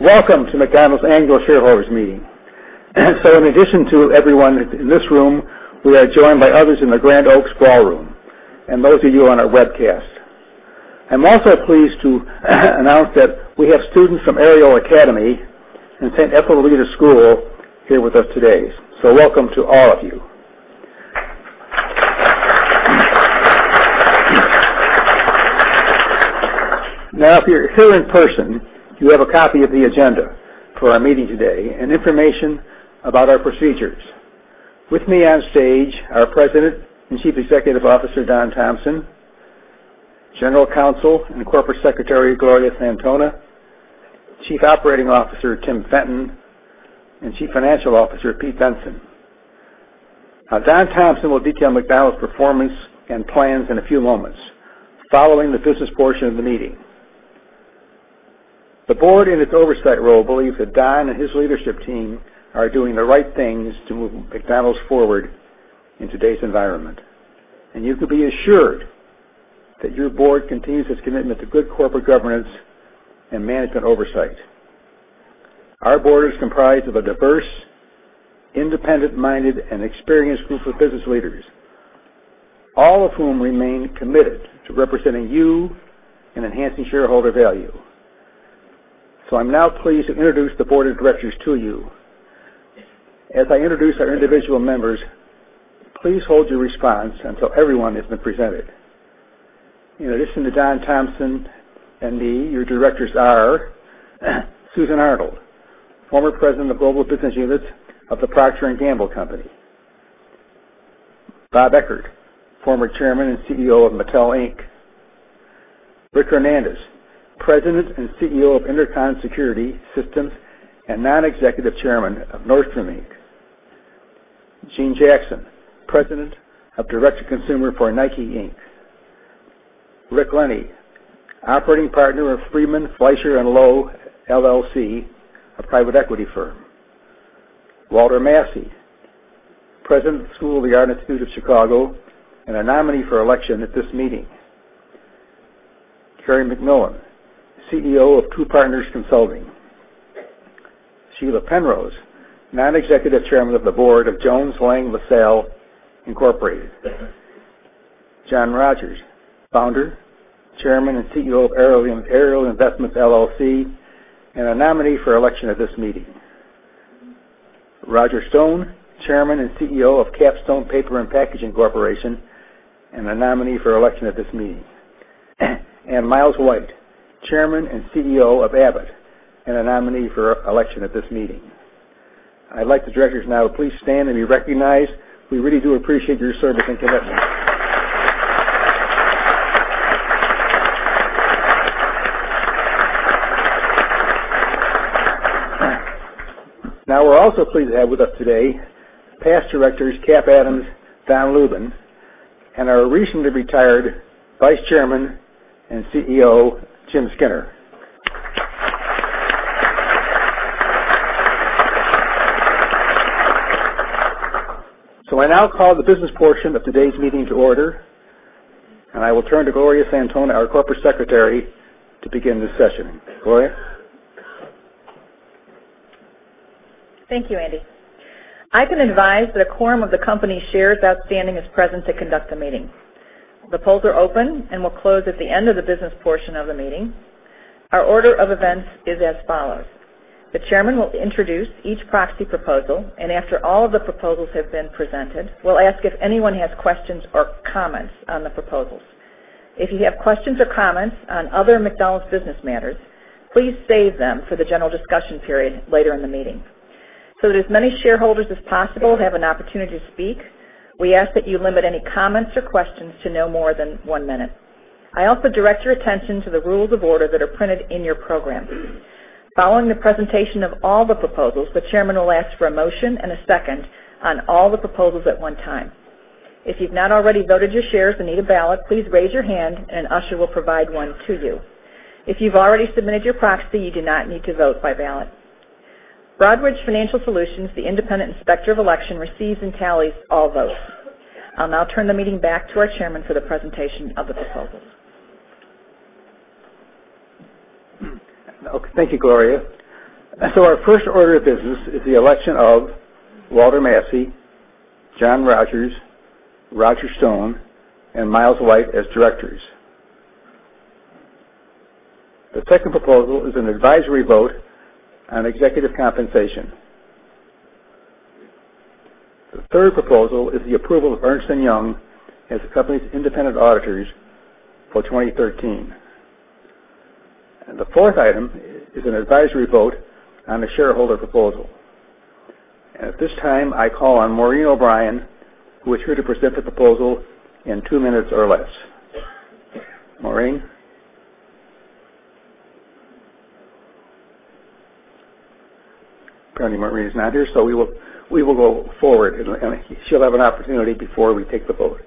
Welcome to McDonald's Annual Shareholders Meeting. In addition to everyone in this room, we are joined by others in the Grand Oaks ballroom and those of you on our webcast. I'm also pleased to announce that we have students from Ariel Academy and Epiphany Catholic School here with us today. Welcome to all of you. If you're here in person, you have a copy of the agenda for our meeting today and information about our procedures. With me on stage, our President and Chief Executive Officer, Don Thompson, General Counsel and Corporate Secretary, Gloria Santona, Chief Operating Officer, Tim Fenton, and Chief Financial Officer, Pete Bensen. Don Thompson will detail McDonald's performance and plans in a few moments following the business portion of the meeting. The board, in its oversight role, believes that Don and his leadership team are doing the right things to move McDonald's forward in today's environment, you can be assured that your board continues its commitment to good corporate governance and management oversight. Our board is comprised of a diverse, independent-minded, and experienced group of business leaders, all of whom remain committed to representing you and enhancing shareholder value. I'm now pleased to introduce the board of directors to you. As I introduce our individual members, please hold your response until everyone has been presented. In addition to Don Thompson and me, your directors are Susan Arnold, former President of Global Business Units of the Procter & Gamble; Bob Eckert, former Chairman and CEO of Mattel, Inc.; Rich Hernandez, President and CEO of Inter-Con Security Systems and non-executive Chairman of Nordstrom, Inc.; Jeanne Jackson, President of Direct to Consumer for NIKE, Inc.; Rick Lenny, Operating Partner of Friedman Fleischer & Lowe LLC, a private equity firm; Walter Massey, President of the School of the Art Institute of Chicago and a nominee for election at this meeting; Cary McMillan, CEO of True Partners Consulting; Sheila Penrose, non-executive Chairman of the Board of Jones Lang LaSalle Incorporated; John Rogers, Founder, Chairman and CEO of Ariel Investments, LLC, and a nominee for election at this meeting; Roger Stone, Chairman and CEO of KapStone Paper and Packaging Corporation, and a nominee for election at this meeting; and Miles White, Chairman and CEO of Abbott, and a nominee for election at this meeting. I'd like the directors now to please stand and be recognized. We really do appreciate your service and commitment. We're also pleased to have with us today past directors Cap Adams, Don Lubin, and our recently retired Vice Chairman and CEO, Jim Skinner. I now call the business portion of today's meeting to order, and I will turn to Gloria Santona, our Corporate Secretary, to begin the session. Gloria? Thank you, Andy. I can advise that a quorum of the company's shares outstanding is present to conduct the meeting. The polls are open and will close at the end of the business portion of the meeting. Our order of events is as follows. The chairman will introduce each proxy proposal, and after all of the proposals have been presented, we will ask if anyone has questions or comments on the proposals. If you have questions or comments on other McDonald's business matters, please save them for the general discussion period later in the meeting. That as many shareholders as possible have an opportunity to speak, we ask that you limit any comments or questions to no more than one minute. I also direct your attention to the rules of order that are printed in your program. Following the presentation of all the proposals, the chairman will ask for a motion and a second on all the proposals at one time. If you have not already voted your shares and need a ballot, please raise your hand and an usher will provide one to you. If you have already submitted your proxy, you do not need to vote by ballot. Broadridge Financial Solutions, the independent inspector of election, receives and tallies all votes. I will now turn the meeting back to our chairman for the presentation of the proposals. Thank you, Gloria. Our first order of business is the election of Walter Massey, John Rogers, Roger Stone, and Miles White as directors. The second proposal is an advisory vote on executive compensation. The third proposal is the approval of Ernst & Young as the company's independent auditors for 2013. The fourth item is an advisory vote on the shareholder proposal. At this time, I call on Maureen O'Brien, who is here to present the proposal in two minutes or less. Maureen? Apparently, Maureen is not here, so we will go forward, and she will have an opportunity before we take the vote.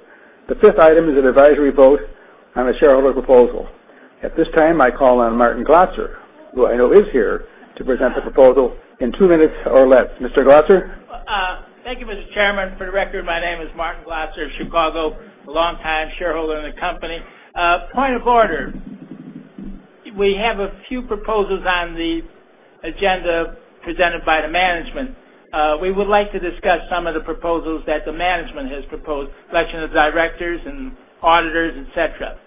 The fifth item is an advisory vote on the shareholder proposal. At this time, I call on Martin Glosser, who I know is here to present the proposal in two minutes or less. Mr. Glosser? Thank you, Mr. Chairman. For the record, my name is Martin Glosser of Chicago, a longtime shareholder in the company. Point of order. We have a few proposals on the agenda presented by the management. We would like to discuss some of the proposals that the management has proposed, election of directors and auditors, et cetera.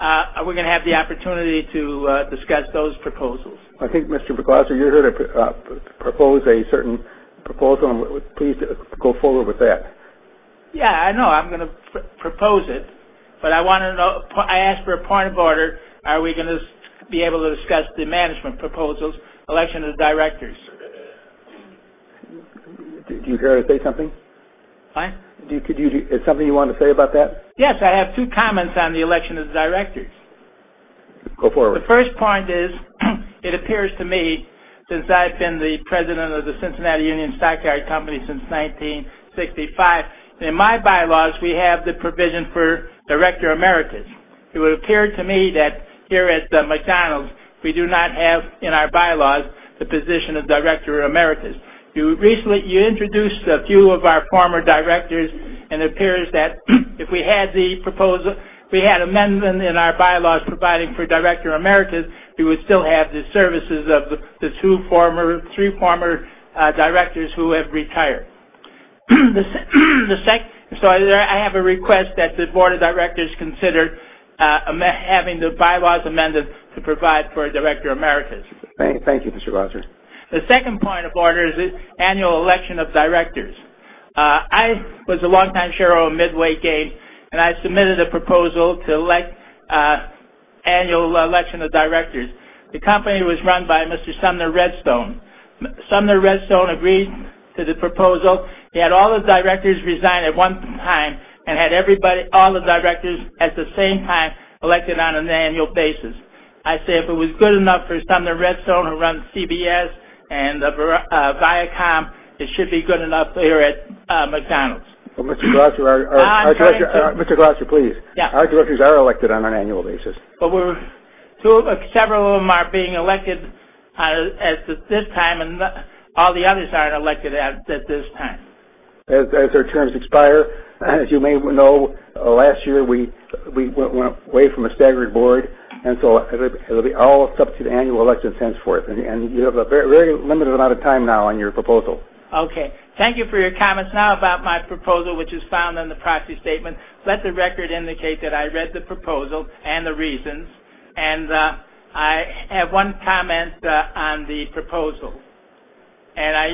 Are we going to have the opportunity to discuss those proposals? I think Mr. Glosser, you're here to propose a certain proposal. Please go forward with that. Yeah, I know. I'm going to propose it, but I asked for a point of order. Are we going to be able to discuss the management proposals, election of directors? Do you care to say something? Pardon? Is there something you want to say about that? Yes, I have two comments on the election of directors. Go forward. The first point is, it appears to me, since I've been the president of the Cincinnati Union Stock Yard Company since 1965. In my bylaws, we have the provision for Director Emeritus. It would appear to me that here at McDonald's, we do not have in our bylaws the position of Director Emeritus. You introduced a few of our former directors, and it appears that if we had amendment in our bylaws providing for Director Emeritus, we would still have the services of the three former directors who have retired. I have a request that the board of directors consider having the bylaws amended to provide for a Director Emeritus. Thank you, Mr. Glosser. The second point of order is the annual election of directors. I was a longtime shareholder of Midway Games, and I submitted a proposal to annual election of directors. The company was run by Mr. Sumner Redstone. Sumner Redstone agreed to the proposal. He had all the directors resign at one time and had all the directors at the same time elected on an annual basis. I say if it was good enough for Sumner Redstone who runs CBS and Viacom, it should be good enough here at McDonald's. Mr. Glosser, please. Yeah. Our directors are elected on an annual basis. Several of them are being elected at this time, and all the others aren't elected at this time. As their terms expire. As you may know, last year we went away from a staggered board, so it will be all up to the annual elections henceforth. You have a very limited amount of time now on your proposal. Okay. Thank you for your comments. Now about my proposal, which is found on the proxy statement. Let the record indicate that I read the proposal and the reasons, and I have one comment on the proposal. I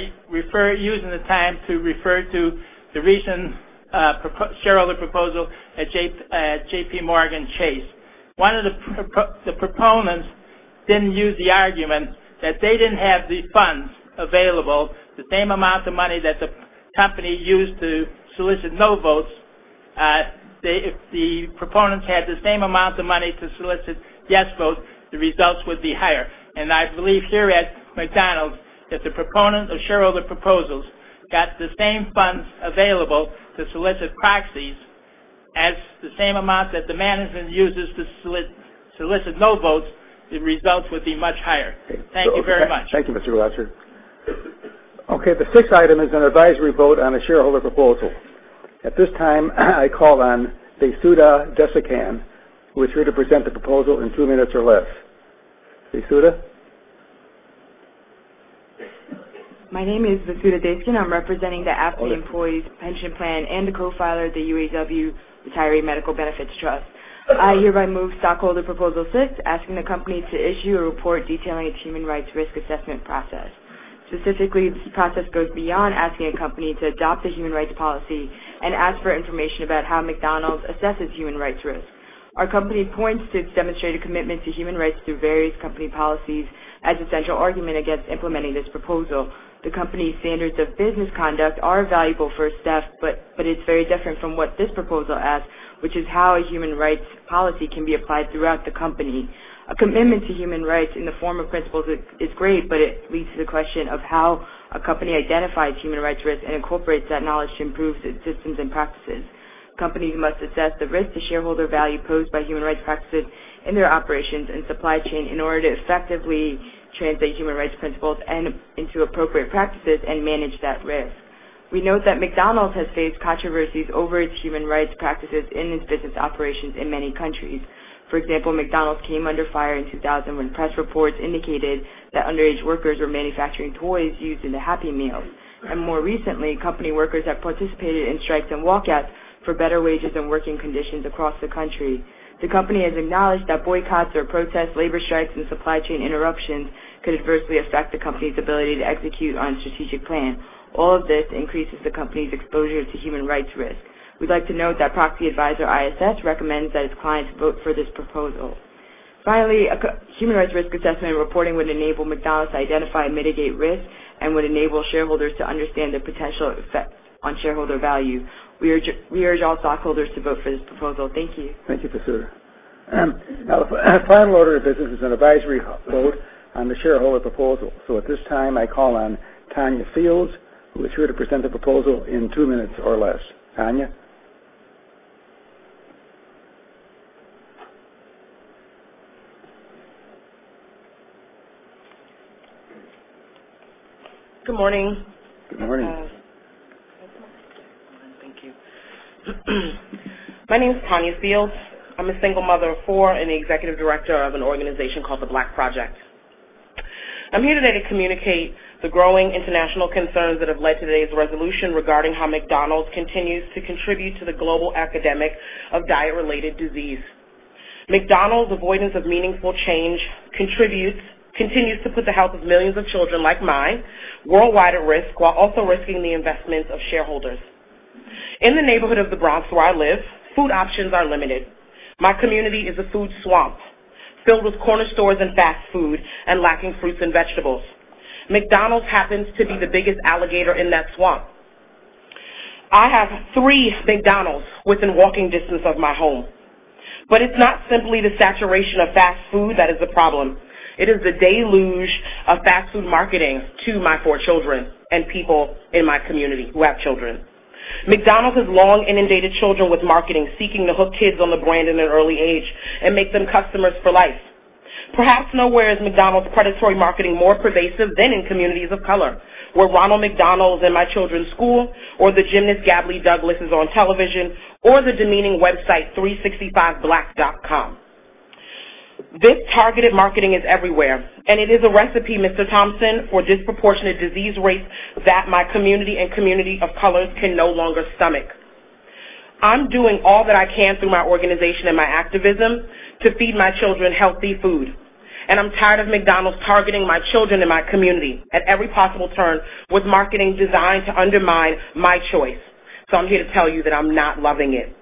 use the time to refer to the recent shareholder proposal at JPMorgan Chase. One of the proponents then used the argument that they didn't have the funds available, the same amount of money that the company used to solicit no votes. If the proponents had the same amount of money to solicit yes votes, the results would be higher. I believe here at McDonald's, that the proponent of shareholder proposals got the same funds available to solicit proxies as the same amount that the management uses to solicit no votes, the results would be much higher. Thank you very much. Thank you, Mr. Glosser. Okay. The sixth item is an advisory vote on a shareholder proposal. At this time, I call on Vasudha Desikan, who is here to present the proposal in two minutes or less. Vasudha? My name is Vasudha Desikan. I'm representing the AFT Employees Pension Plan and the co-filer of the UAW Retiree Medical Benefits Trust. I hereby move stockholder proposal six, asking the company to issue a report detailing its human rights risk assessment process. Specifically, this process goes beyond asking a company to adopt a human rights policy and ask for information about how McDonald's assesses human rights risk. Our company points to its demonstrated commitment to human rights through various company policies as essential argument against implementing this proposal. The company's standards of business conduct are valuable for staff, but it's very different from what this proposal asks, which is how a human rights policy can be applied throughout the company. A commitment to human rights in the form of principles is great, it leads to the question of how a company identifies human rights risks and incorporates that knowledge to improve its systems and practices. Companies must assess the risk to shareholder value posed by human rights practices in their operations and supply chain in order to effectively translate human rights principles into appropriate practices and manage that risk. We note that McDonald's has faced controversies over its human rights practices in its business operations in many countries. For example, McDonald's came under fire in 2000 when press reports indicated that underage workers were manufacturing toys used in the Happy Meal. More recently, company workers have participated in strikes and walkouts for better wages and working conditions across the country. The company has acknowledged that boycotts or protests, labor strikes, and supply chain interruptions could adversely affect the company's ability to execute on strategic plan. All of this increases the company's exposure to human rights risk. We'd like to note that proxy advisor ISS recommends that its clients vote for this proposal. Finally, a human rights risk assessment reporting would enable McDonald's to identify and mitigate risk and would enable shareholders to understand the potential effects on shareholder value. We urge all stockholders to vote for this proposal. Thank you. Thank you, Vasudha. The final order of business is an advisory vote on the shareholder proposal. At this time, I call on Tanya Fields, who is here to present the proposal in two minutes or less. Tanya? Good morning. Good morning. Thank you. My name is Tanya Fields. I'm a single mother of four and the executive director of an organization called The BLK ProjeK. I'm here today to communicate the growing international concerns that have led today's resolution regarding how McDonald's continues to contribute to the global epidemic of diet-related disease. McDonald's avoidance of meaningful change continues to put the health of millions of children, like mine, worldwide at risk, while also risking the investment of shareholders. In the neighborhood of the Bronx, where I live, food options are limited. My community is a food swamp, filled with corner stores and fast food, and lacking fruits and vegetables. McDonald's happens to be the biggest alligator in that swamp. I have three McDonald's within walking distance of my home. It's not simply the saturation of fast food that is the problem. It is the deluge of fast food marketing to my four children and people in my community who have children. McDonald's has long inundated children with marketing, seeking to hook kids on the brand at an early age and make them customers for life. Perhaps nowhere is McDonald's predatory marketing more pervasive than in communities of color, where Ronald McDonald's in my children's school, or the gymnast Gabby Douglas is on television, or the demeaning website 365black.com. This targeted marketing is everywhere, and it is a recipe, Mr. Thompson, for disproportionate disease rates that my community and community of colors can no longer stomach. I'm doing all that I can through my organization and my activism to feed my children healthy food, I'm tired of McDonald's targeting my children and my community at every possible turn with marketing designed to undermine my choice. I'm here to tell you that I'm not loving it.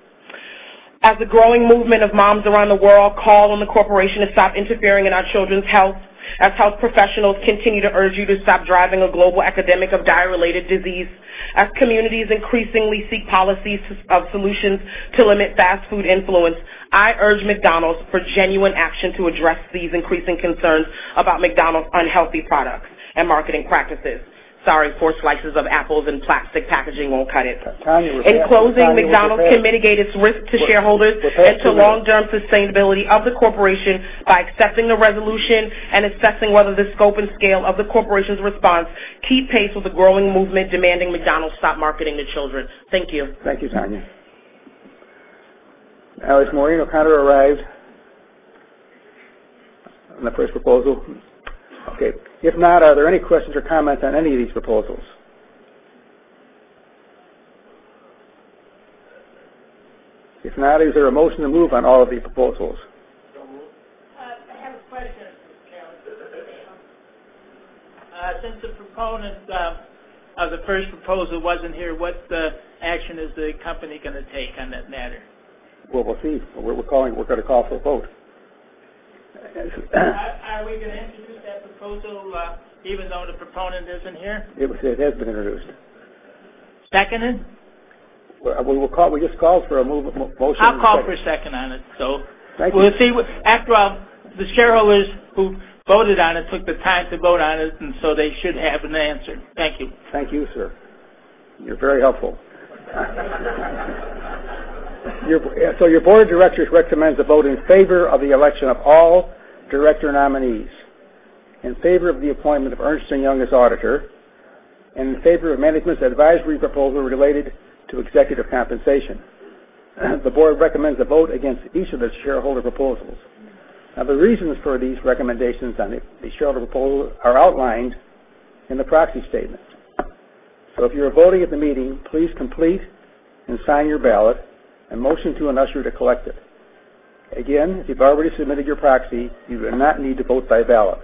As a growing movement of moms around the world call on the corporation to stop interfering in our children's health, as health professionals continue to urge you to stop driving a global epidemic of diet-related disease, as communities increasingly seek policies of solutions to limit fast food influence, I urge McDonald's for genuine action to address these increasing concerns about McDonald's unhealthy products and marketing practices. Sorry, four slices of apples in plastic packaging won't cut it. Tanya- In closing, McDonald's can mitigate its risk to shareholders and to long-term sustainability of the corporation by accepting the resolution and assessing whether the scope and scale of the corporation's response keep pace with the growing movement demanding McDonald's stop marketing to children. Thank you. Thank you, Tanya. Has Maureen O'Connor arrived on the first proposal? Okay, if not, are there any questions or comments on any of these proposals? If not, is there a motion to move on all of these proposals? moved. I have a question, if I can. Since the proponent of the first proposal wasn't here, what action is the company going to take on that matter? Well, we'll see. We're going to call for a vote. Are we going to introduce that proposal even though the proponent isn't here? It has been introduced. Seconded? We just called for a motion. I'll call for a second on it. Thank you. We'll see. After all, the shareholders who voted on it took the time to vote on it, they should have an answer. Thank you. Thank you, sir. You're very helpful. Your board of directors recommends a vote in favor of the election of all director nominees, in favor of the appointment of Ernst & Young as auditor, and in favor of management's advisory proposal related to executive compensation. The board recommends a vote against each of the shareholder proposals. The reasons for these recommendations on the shareholder proposal are outlined in the proxy statement. If you are voting at the meeting, please complete and sign your ballot and motion to an usher to collect it. Again, if you've already submitted your proxy, you do not need to vote by ballot.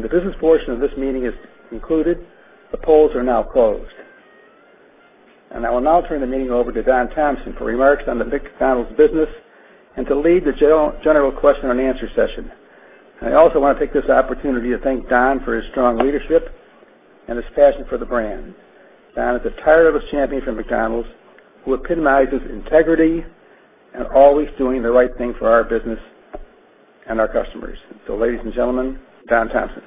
The business portion of this meeting is concluded. The polls are now closed. I will now turn the meeting over to Don Thompson for remarks on the McDonald's business and to lead the general question and answer session. I also want to take this opportunity to thank Don for his strong leadership and his passion for the brand. Don is a tireless champion for McDonald's, who epitomizes integrity and always doing the right thing for our business and our customers. Ladies and gentlemen, Don Thompson.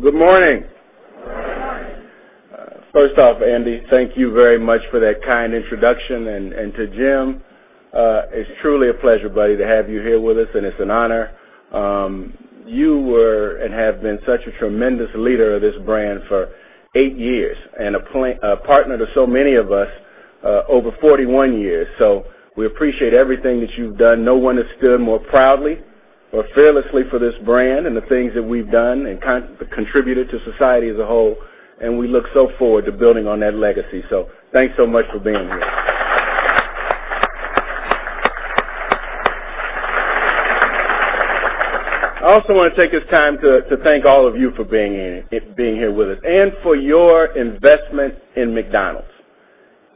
Good morning. Good morning. First off, Andy, thank you very much for that kind introduction, and to Jim, it's truly a pleasure, buddy, to have you here with us, and it's an honor. You were, and have been such a tremendous leader of this brand for eight years and a partner to so many of us over 41 years. We appreciate everything that you've done. No one has stood more proudly or fearlessly for this brand and the things that we've done and contributed to society as a whole, and we look so forward to building on that legacy. Thanks so much for being here. I also want to take this time to thank all of you for being here with us and for your investment in McDonald's.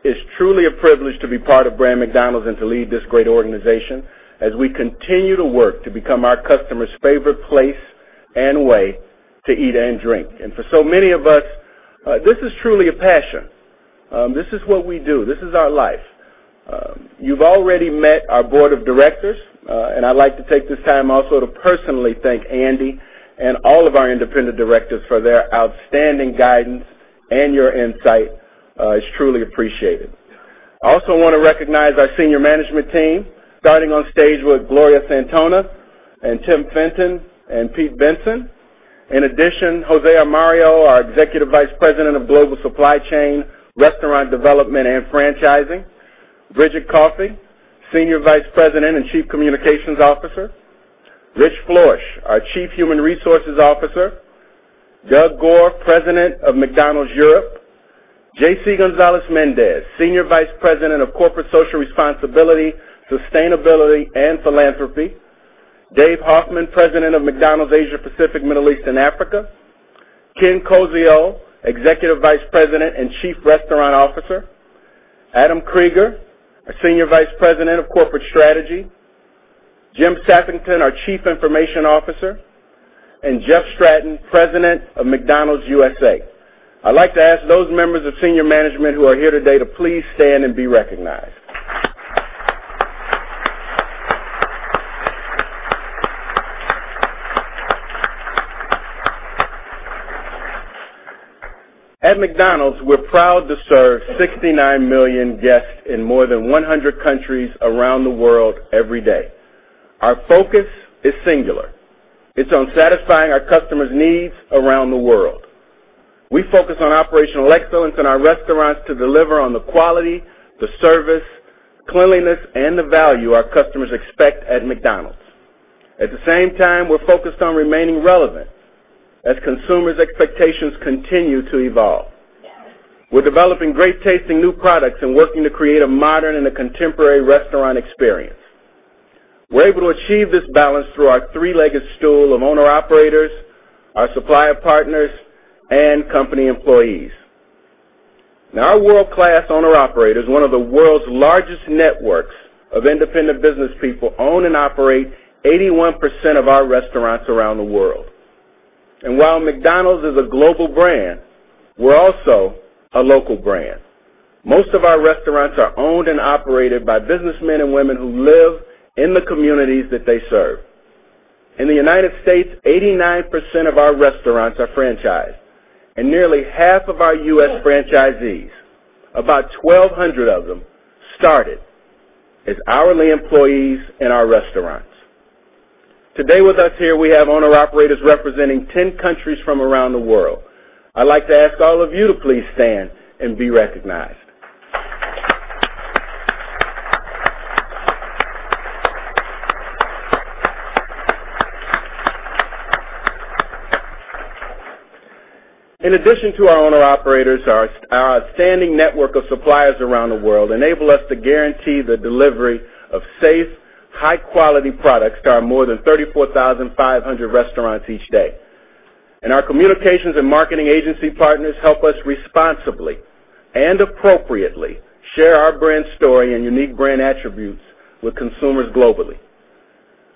It's truly a privilege to be part of brand McDonald's and to lead this great organization as we continue to work to become our customers' favorite place and way to eat and drink. For so many of us, this is truly a passion. This is what we do. This is our life. You've already met our Board of Directors, and I'd like to take this time also to personally thank Andy and all of our independent Directors for their outstanding guidance and your insight. It's truly appreciated. I also want to recognize our Senior Management Team, starting on stage with Gloria Santona and Tim Fenton and Pete Bensen. In addition, Jose Armario, our Executive Vice President of Global Supply Chain, Restaurant Development, and Franchising. Bridget Coffing, Senior Vice President and Chief Communications Officer. Rich Floersch, our Chief Human Resources Officer. Doug Goare, President of McDonald's Europe. J.C. Gonzalez-Mendez, Senior Vice President of Corporate Social Responsibility, Sustainability, and Philanthropy. David Hoffmann, President of McDonald's Asia Pacific, Middle East, and Africa. Ken Koziol, Executive Vice President and Chief Restaurant Officer. Adam Kriger, our Senior Vice President of Corporate Strategy. Jim Sappington, our Chief Information Officer, and Jeff Stratton, President of McDonald's USA. I'd like to ask those members of Senior Management who are here today to please stand and be recognized. At McDonald's, we're proud to serve 69 million guests in more than 100 countries around the world every day. Our focus is singular. It's on satisfying our customers' needs around the world. We focus on operational excellence in our restaurants to deliver on the quality, the service, cleanliness, and the value our customers expect at McDonald's. At the same time, we're focused on remaining relevant as consumers' expectations continue to evolve. We're developing great-tasting new products and working to create a modern and a contemporary restaurant experience. We're able to achieve this balance through our three-legged stool of owner-operators, our supplier partners, and company employees. Our world-class owner-operators, one of the world's largest networks of independent business people, own and operate 81% of our restaurants around the world. While McDonald's is a global brand, we're also a local brand. Most of our restaurants are owned and operated by businessmen and women who live in the communities that they serve. In the U.S., 89% of our restaurants are franchised, and nearly half of our U.S. franchisees, about 1,200 of them, started as hourly employees in our restaurants. Today with us here, we have owner-operators representing 10 countries from around the world. I'd like to ask all of you to please stand and be recognized. In addition to our owner-operators, our outstanding network of suppliers around the world enable us to guarantee the delivery of safe, high-quality products to our more than 34,500 restaurants each day. Our communications and marketing agency partners help us responsibly and appropriately share our brand story and unique brand attributes with consumers globally.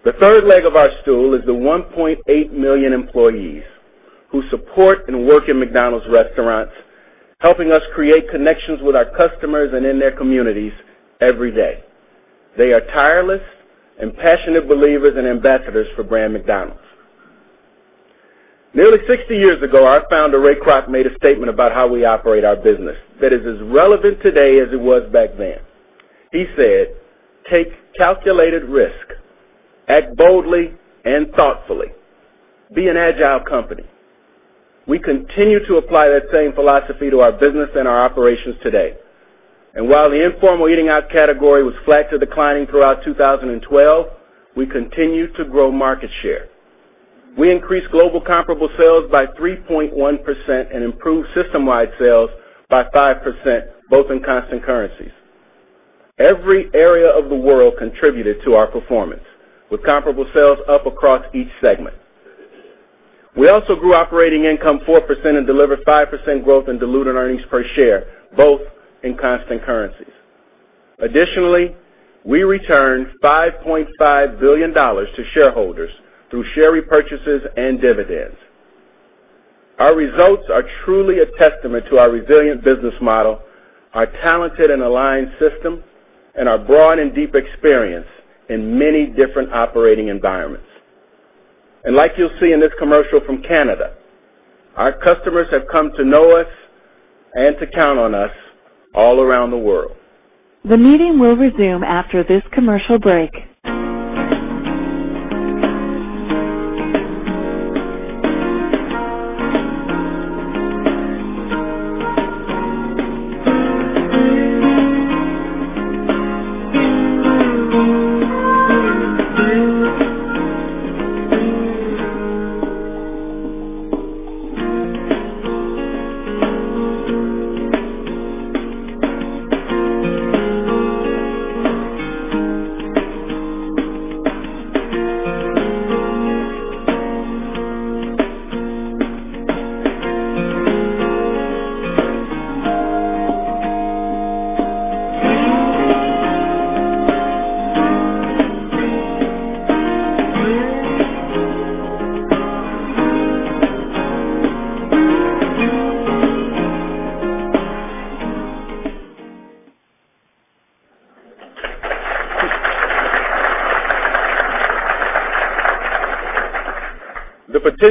The third leg of our stool is the 1.8 million employees who support and work in McDonald's restaurants, helping us create connections with our customers and in their communities every day. They are tireless and passionate believers and ambassadors for brand McDonald's. Nearly 60 years ago, our founder, Ray Kroc, made a statement about how we operate our business that is as relevant today as it was back then. He said, "Take calculated risk. Act boldly and thoughtfully. Be an agile company." We continue to apply that same philosophy to our business and our operations today. While the informal eating-out category was flat to declining throughout 2012, we continued to grow market share. We increased global comparable sales by 3.1% and improved system-wide sales by 5%, both in constant currencies. Every area of the world contributed to our performance, with comparable sales up across each segment. We also grew operating income 4% and delivered 5% growth in diluted earnings per share, both in constant currencies. Additionally, we returned $5.5 billion to shareholders through share repurchases and dividends. Our results are truly a testament to our resilient business model, our talented and aligned system, and our broad and deep experience in many different operating environments. Like you’ll see in this commercial from Canada, our customers have come to know us and to count on us all around the world. The meeting will resume after this commercial break.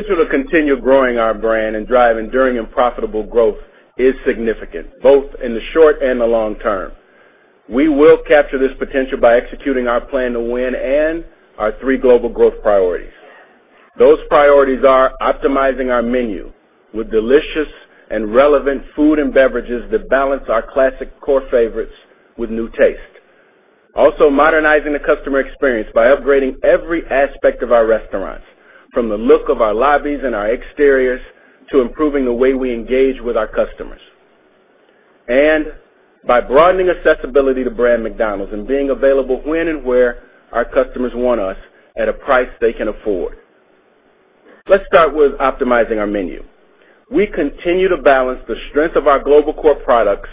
The potential to continue growing our brand and drive enduring and profitable growth is significant, both in the short and the long term. We will capture this potential by executing our Plan to Win and our three global growth priorities. Those priorities are optimizing our menu with delicious and relevant food and beverages that balance our classic core favorites with new taste. Also modernizing the customer experience by upgrading every aspect of our restaurants, from the look of our lobbies and our exteriors to improving the way we engage with our customers. By broadening accessibility to brand McDonald's and being available when and where our customers want us at a price they can afford. Let's start with optimizing our menu. We continue to balance the strength of our global core products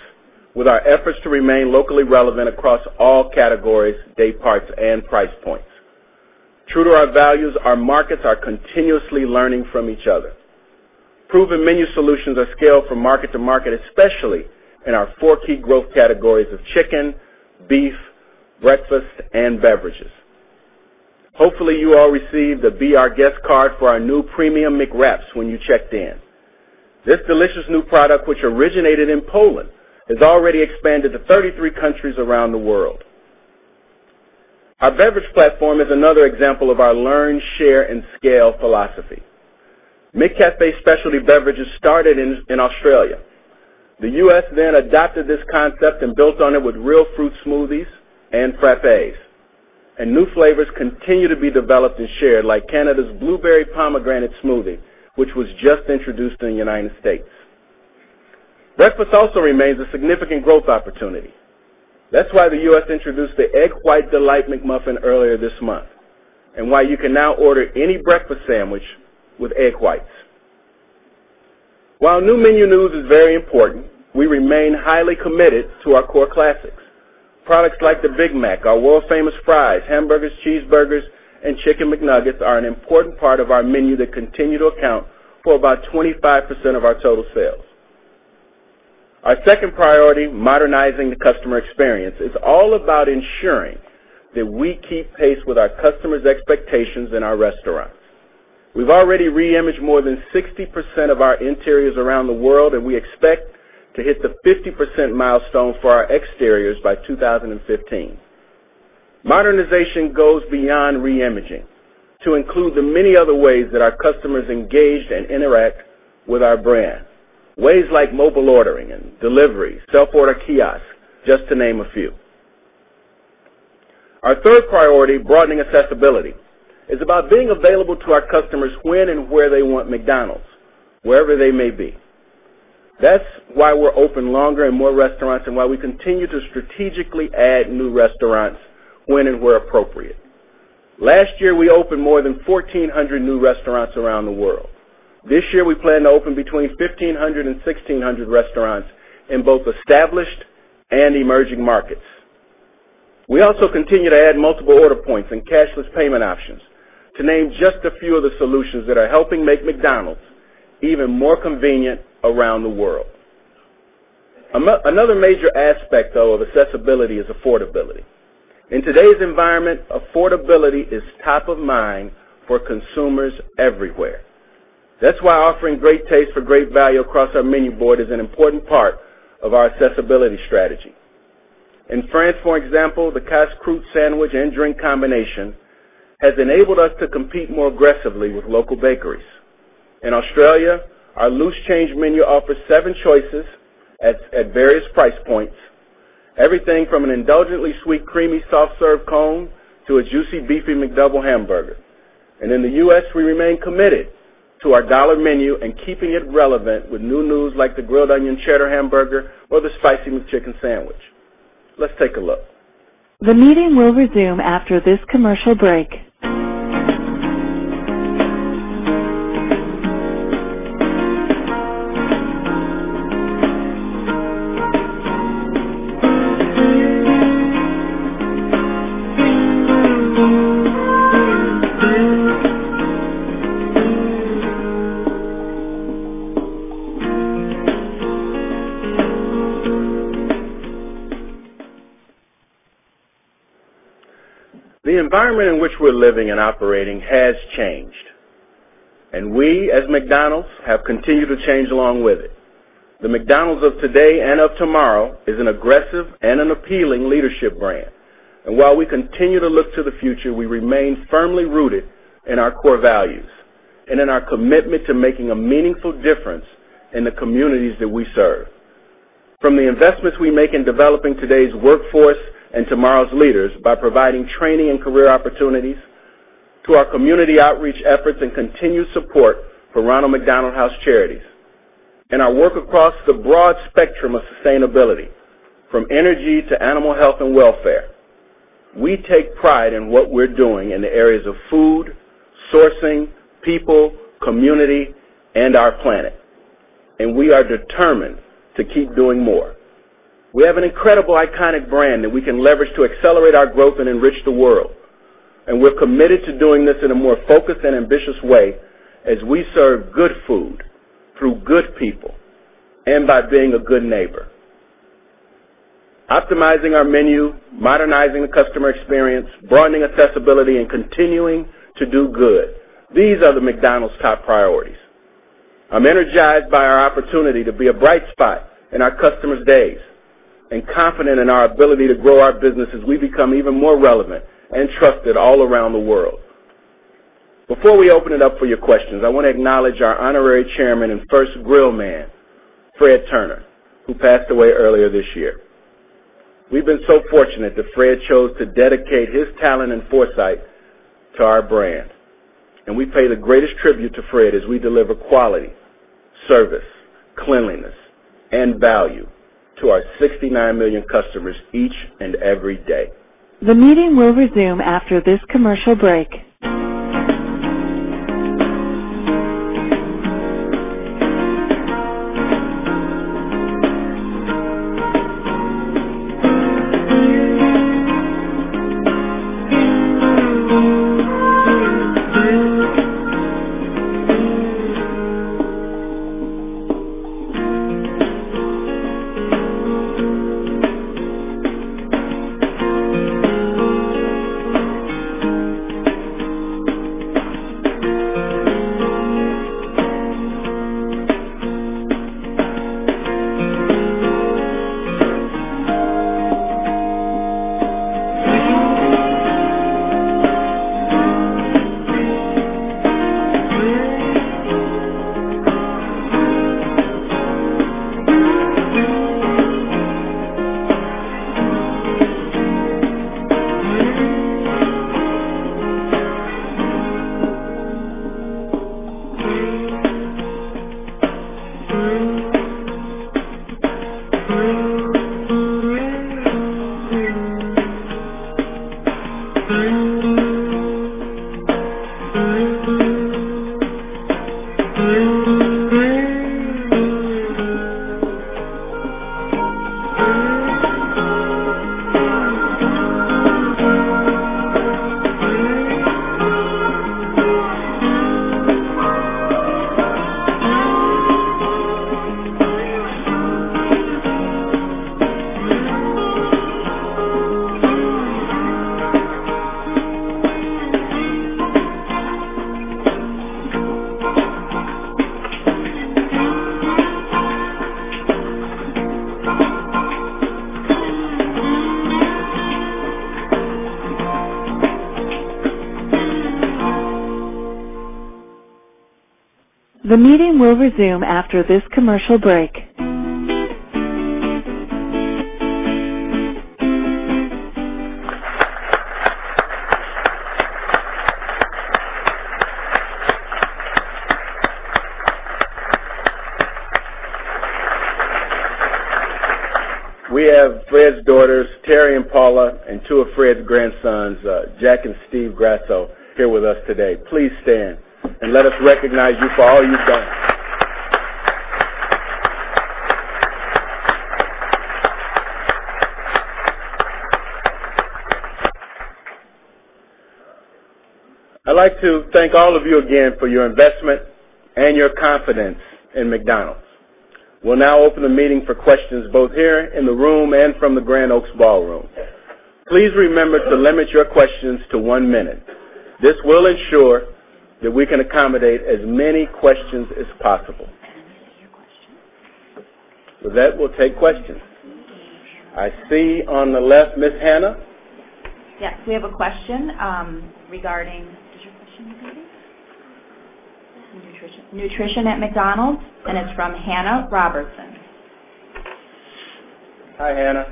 with our efforts to remain locally relevant across all categories, day parts, and price points. True to our values, our markets are continuously learning from each other. Proven menu solutions are scaled from market to market, especially in our four key growth categories of chicken, beef, breakfast, and beverages. Hopefully, you all received the Be Our Guest card for our new Premium McWrap when you checked in. This delicious new product, which originated in Poland, has already expanded to 33 countries around the world. Our beverage platform is another example of our learn, share, and scale philosophy. McCafé specialty beverages started in Australia. The U.S. then adapted this concept and built on it with real fruit smoothies and frappes. New flavors continue to be developed and shared, like Canada's Blueberry Pomegranate Smoothie, which was just introduced in the United States. Breakfast also remains a significant growth opportunity. That's why the U.S. introduced the Egg White Delight McMuffin earlier this month, and why you can now order any breakfast sandwich with egg whites. While new menu news is very important, we remain highly committed to our core classics. Products like the Big Mac, our world-famous fries, hamburgers, cheeseburgers, and Chicken McNuggets are an important part of our menu that continue to account for about 25% of our total sales. Our second priority, modernizing the customer experience, is all about ensuring that we keep pace with our customers' expectations in our restaurants. We've already re-imaged more than 60% of our interiors around the world, and we expect to hit the 50% milestone for our exteriors by 2015. Modernization goes beyond re-imaging to include the many other ways that our customers engage and interact with our brand. Ways like mobile ordering and delivery, self-order kiosks, just to name a few. Our third priority, broadening accessibility, is about being available to our customers when and where they want McDonald's, wherever they may be. That's why we're open longer in more restaurants and why we continue to strategically add new restaurants when and where appropriate. Last year, we opened more than 1,400 new restaurants around the world. This year, we plan to open between 1,500 and 1,600 restaurants in both established and emerging markets. We also continue to add multiple order points and cashless payment options, to name just a few of the solutions that are helping make McDonald's even more convenient around the world. Another major aspect, though, of accessibility is affordability. In today's environment, affordability is top of mind for consumers everywhere. That's why offering great taste for great value across our menu board is an important part of our accessibility strategy. In France, for example, the Ca$h Croute sandwich and drink combination has enabled us to compete more aggressively with local bakeries. In Australia, our Loose Change Menu offers seven choices at various price points. Everything from an indulgently sweet creamy soft serve cone to a juicy, beefy McDouble hamburger. In the U.S., we remain committed to our Dollar Menu and keeping it relevant with new news like the Grilled Onion Cheddar burger or the Spicy McChicken sandwich. Let's take a look. The meeting will resume after this commercial break. The environment in which we're living and operating has changed, and we, as McDonald's, have continued to change along with it. The McDonald's of today and of tomorrow is an aggressive and an appealing leadership brand. While we continue to look to the future, we remain firmly rooted in our core values and in our commitment to making a meaningful difference in the communities that we serve. From the investments we make in developing today's workforce and tomorrow's leaders by providing training and career opportunities, to our community outreach efforts and continued support for Ronald McDonald House Charities, and our work across the broad spectrum of sustainability, from energy to animal health and welfare. We take pride in what we're doing in the areas of food, sourcing, people, community, and our planet. We are determined to keep doing more. We have an incredible iconic brand that we can leverage to accelerate our growth and enrich the world. We're committed to doing this in a more focused and ambitious way as we serve good food through good people and by being a good neighbor. Optimizing our menu, modernizing the customer experience, broadening accessibility, and continuing to do good. These are the McDonald's top priorities. I'm energized by our opportunity to be a bright spot in our customers' days and confident in our ability to grow our business as we become even more relevant and trusted all around the world. Before we open it up for your questions, I want to acknowledge our honorary chairman and first grill man, Fred Turner, who passed away earlier this year. We've been so fortunate that Fred chose to dedicate his talent and foresight to our brand, and we pay the greatest tribute to Fred as we deliver quality, service, cleanliness, and value to our 69 million customers each and every day. The meeting will resume after this commercial break. The meeting will resume after this commercial break. We have Fred's daughters, Teri and Paula, and two of Fred's grandsons, Jack and Steve Grasso, here with us today. Please stand and let us recognize you for all you've done. I'd like to thank all of you again for your investment and your confidence in McDonald's. We'll now open the meeting for questions both here in the room and from the Grand Oaks ballroom. Please remember to limit your questions to one minute. This will ensure that we can accommodate as many questions as possible. Repeat your question. With that, we'll take questions. I see on the left, Ms. Hannah. Yes. We have a question regarding nutrition at McDonald's, and it's from Hannah Robertson. Hi, Hannah.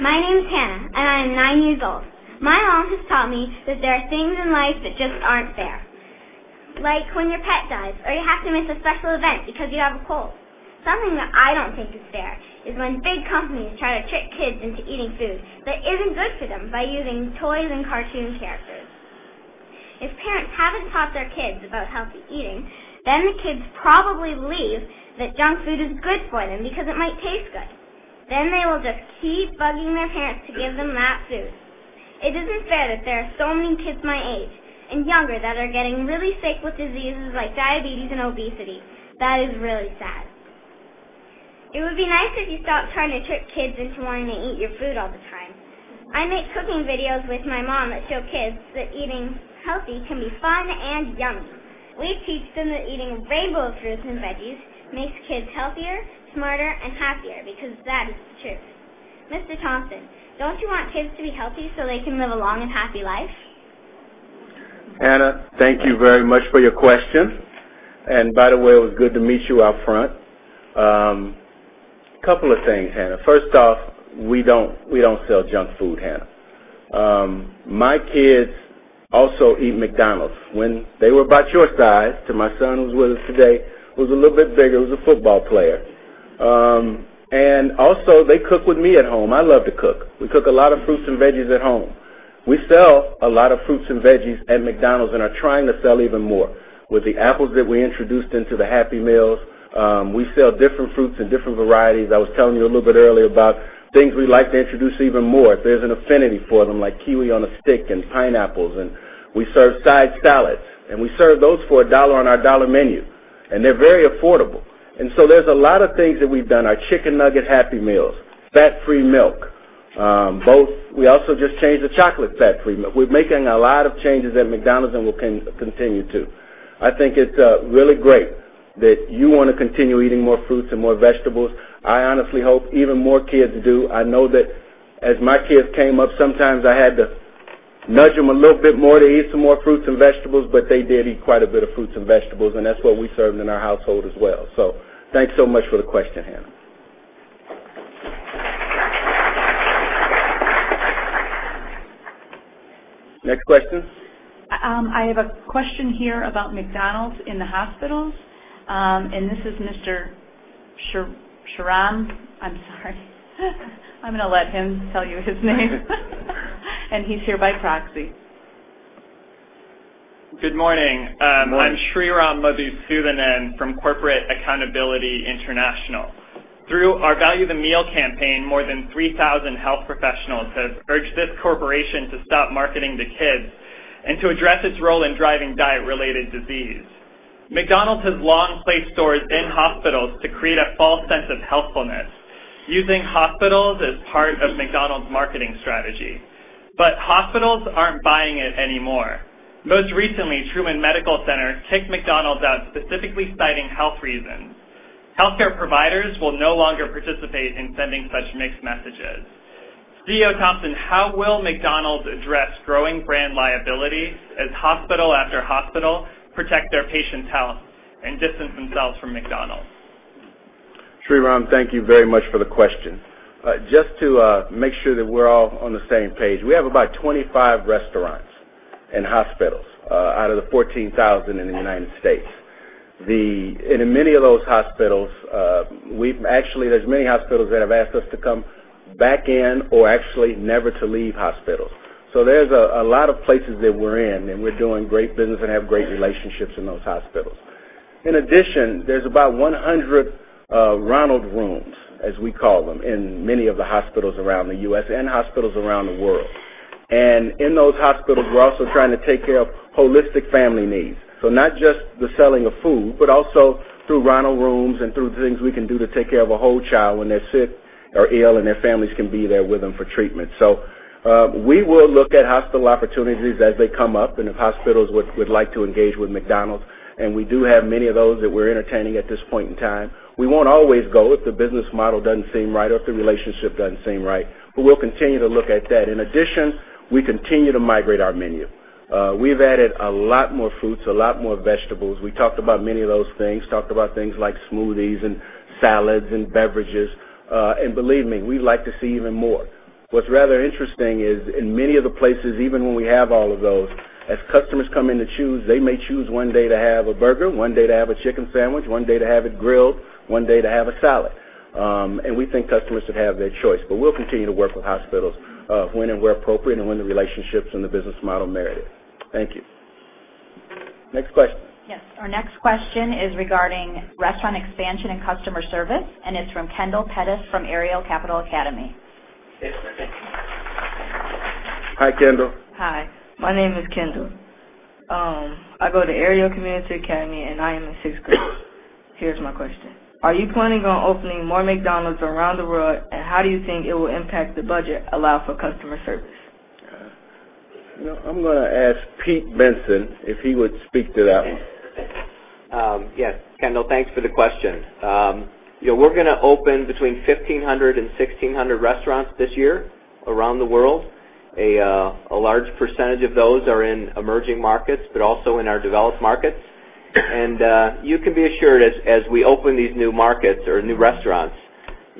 My name's Hannah. I am nine years old. My mom has taught me that there are things in life that just aren't fair, like when your pet dies or you have to miss a special event because you have a cold. Something that I don't think is fair is when big companies try to trick kids into eating food that isn't good for them by using toys and cartoon characters. If parents haven't taught their kids about healthy eating, the kids probably believe that junk food is good for them because it might taste good. They will just keep bugging their parents to give them that food. It isn't fair that there are so many kids my age and younger that are getting really sick with diseases like diabetes and obesity. That is really sad. It would be nice if you stopped trying to trick kids into wanting to eat your food all the time. I make cooking videos with my mom that show kids that eating healthy can be fun and yummy. We teach them that eating a rainbow of fruits and veggies makes kids healthier, smarter, and happier because that is the truth. Mr. Thompson, don't you want kids to be healthy so they can live a long and happy life? Hannah, thank you very much for your question. By the way, it was good to meet you out front. A couple of things, Hannah. First off, we don't sell junk food, Hannah. My kids also eat McDonald's. When they were about your size, till my son who's with us today was a little bit bigger, was a football player. Also, they cook with me at home. I love to cook. We cook a lot of fruits and veggies at home. We sell a lot of fruits and veggies at McDonald's and are trying to sell even more. With the apples that we introduced into the Happy Meals, we sell different fruits and different varieties. I was telling you a little bit earlier about things we'd like to introduce even more if there's an affinity for them, like kiwi on a stick and pineapples. We serve side salads, we serve those for a $1 on our Dollar Menu, and they're very affordable. There's a lot of things that we've done. Our Chicken McNuggets Happy Meals, fat-free milk. We also just changed to chocolate fat-free milk. We're making a lot of changes at McDonald's and we'll continue to. I think it's really great that you want to continue eating more fruits and more vegetables. I honestly hope even more kids do. I know that as my kids came up, sometimes I had to nudge them a little bit more to eat some more fruits and vegetables, but they did eat quite a bit of fruits and vegetables, and that's what we served in our household as well. Thanks so much for the question, Hannah. Next question. I have a question here about McDonald's in the hospitals. This is Mr. Sriram. I'm sorry. I'm going to let him tell you his name. He's here by proxy. Good morning. Good morning. I'm Sriram Madhusoodanan from Corporate Accountability International. Through our Value the Meal campaign, more than 3,000 health professionals have urged this corporation to stop marketing to kids and to address its role in driving diet-related disease. McDonald's has long placed stores in hospitals to create a false sense of healthfulness, using hospitals as part of McDonald's marketing strategy. Hospitals aren't buying it anymore. Most recently, Truman Medical Center kicked McDonald's out, specifically citing health reasons. Healthcare providers will no longer participate in sending such mixed messages. CEO Thompson, how will McDonald's address growing brand liability as hospital after hospital protect their patients' health and distance themselves from McDonald's? Sriram, thank you very much for the question. Just to make sure that we're all on the same page, we have about 25 restaurants in hospitals out of the 14,000 in the United States. In many of those hospitals, actually there's many hospitals that have asked us to come back in or actually never to leave hospitals. There's a lot of places that we're in, and we're doing great business and have great relationships in those hospitals. In addition, there's about 100 Ronald Rooms, as we call them, in many of the hospitals around the U.S. and hospitals around the world. In those hospitals, we're also trying to take care of holistic family needs. Not just the selling of food, but also through Ronald Rooms and through the things we can do to take care of a whole child when they're sick or ill, and their families can be there with them for treatment. We will look at hospital opportunities as they come up and if hospitals would like to engage with McDonald's, and we do have many of those that we're entertaining at this point in time. We won't always go if the business model doesn't seem right or if the relationship doesn't seem right, but we'll continue to look at that. In addition, we continue to migrate our menu. We've added a lot more fruits, a lot more vegetables. We talked about many of those things, talked about things like smoothies and salads and beverages. Believe me, we'd like to see even more. What's rather interesting is in many of the places, even when we have all of those, as customers come in to choose, they may choose one day to have a burger, one day to have a chicken sandwich, one day to have it grilled, one day to have a salad. We think customers should have that choice. We'll continue to work with hospitals when and where appropriate and when the relationships and the business model merit it. Thank you. Next question. Yes. Our next question is regarding restaurant expansion and customer service. It's from Kendall Pettis from Ariel Community Academy. Hi, Kendall. Hi. My name is Kendall. I go to Ariel Community Academy. I am in sixth grade. Here's my question. Are you planning on opening more McDonald's around the world? How do you think it will impact the budget allowed for customer service? I'm going to ask Pete Bensen if he would speak to that one. Yes. Kendall, thanks for the question. We're going to open between 1,500 and 1,600 restaurants this year around the world. A large percentage of those are in emerging markets, but also in our developed markets. You can be assured as we open these new markets or new restaurants,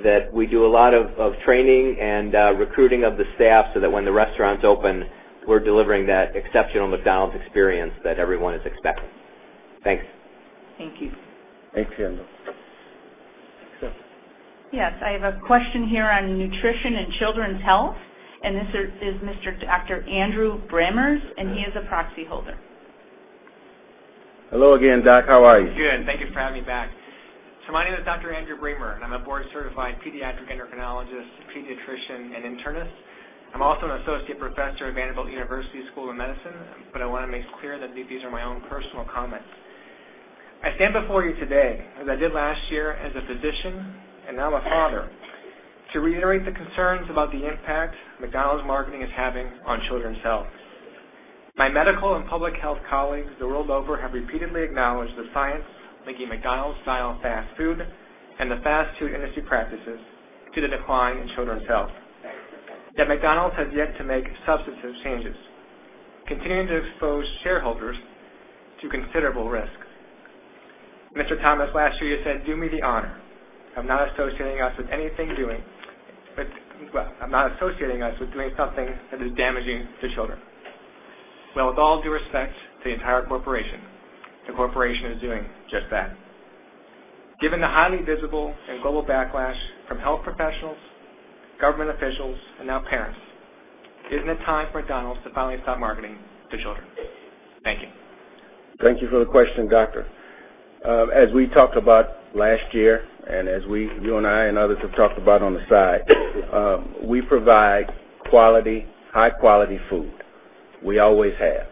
that we do a lot of training and recruiting of the staff so that when the restaurants open, we're delivering that exceptional McDonald's experience that everyone is expecting. Thanks. Thank you. Thanks, Kendall. Next up. Yes. I have a question here on nutrition and children's health, and this is Dr. Andrew Brammers, and he is a proxy holder. Hello again, Doc. How are you? Thank you for having me back. My name is Dr. Andrew Brammers, and I'm a board-certified pediatric endocrinologist, pediatrician, and internist. I'm also an associate professor at Vanderbilt University School of Medicine, but I want to make clear that these are my own personal comments. I stand before you today, as I did last year, as a physician and now a father to reiterate the concerns about the impact McDonald's marketing is having on children's health. My medical and public health colleagues the world over have repeatedly acknowledged the science linking McDonald's style fast food and the fast food industry practices to the decline in children's health. Yet McDonald's has yet to make substantive changes, continuing to expose shareholders to considerable risk. Don Thompson, last year you said, "Do me the honor of not associating us with doing something that is damaging to children." Well, with all due respect to the entire corporation, the corporation is doing just that. Given the highly visible and global backlash from health professionals, government officials, and now parents, isn't it time for McDonald's to finally stop marketing to children? Thank you. Thank you for the question, Doctor. As we talked about last year, as you and I and others have talked about on the side, we provide high-quality food. We always have.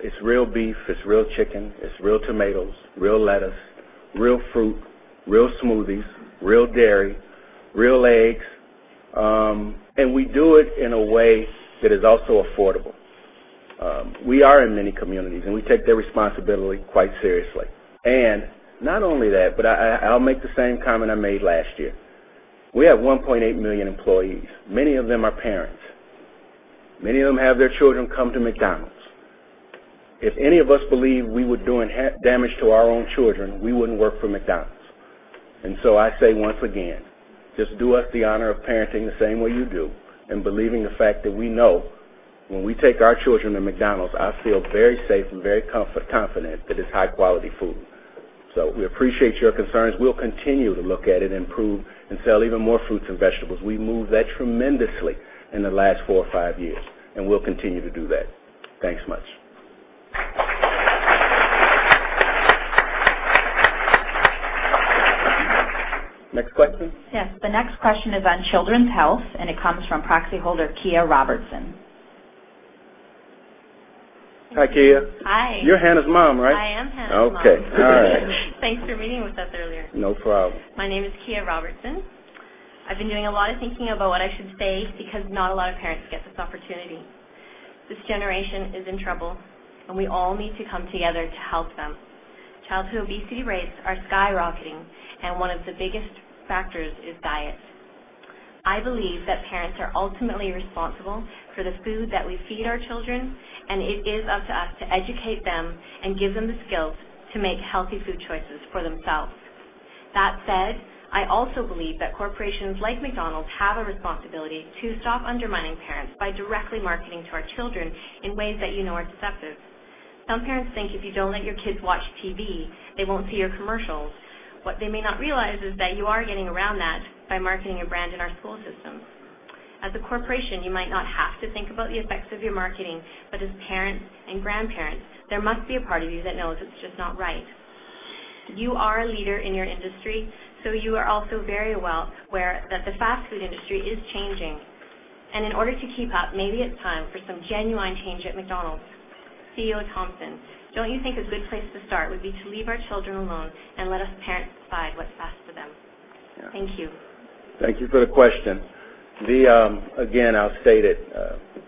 It's real beef, it's real chicken, it's real tomatoes, real lettuce, real fruit, real smoothies, real dairy, real eggs, and we do it in a way that is also affordable. We are in many communities, and we take that responsibility quite seriously. Not only that, but I'll make the same comment I made last year. We have 1.8 million employees. Many of them are parents. Many of them have their children come to McDonald's. If any of us believe we were doing damage to our own children, we wouldn't work for McDonald's. I say once again, just do us the honor of parenting the same way you do and believing the fact that we know when we take our children to McDonald's, I feel very safe and very confident that it's high-quality food. We appreciate your concerns. We'll continue to look at it and improve and sell even more fruits and vegetables. We moved that tremendously in the last four or five years, and we'll continue to do that. Thanks much. Next question. Yes. The next question is on children's health, and it comes from proxy holder, Kia Robertson. Hi, Kia. Hi. You're Hannah's mom, right? I am Hannah's mom. Okay. All right. Thanks for meeting with us earlier. No problem. My name is Kia Robertson. I've been doing a lot of thinking about what I should say because not a lot of parents get this opportunity. This generation is in trouble, and we all need to come together to help them. Childhood obesity rates are skyrocketing, and one of the biggest factors is diet. I believe that parents are ultimately responsible for the food that we feed our children, and it is up to us to educate them and give them the skills to make healthy food choices for themselves. That said, I also believe that corporations like McDonald’s have a responsibility to stop undermining parents by directly marketing to our children in ways that you know are deceptive. Some parents think if you don't let your kids watch TV, they won't see your commercials. What they may not realize is that you are getting around that by marketing your brand in our school systems. As a corporation, you might not have to think about the effects of your marketing, but as parents and grandparents, there must be a part of you that knows it's just not right. You are a leader in your industry, you are also very well aware that the fast food industry is changing, and in order to keep up, maybe it's time for some genuine change at McDonald’s. CEO Thompson, don't you think a good place to start would be to leave our children alone and let us parents decide what's best for them? Thank you. Thank you for the question. Again, I'll state it,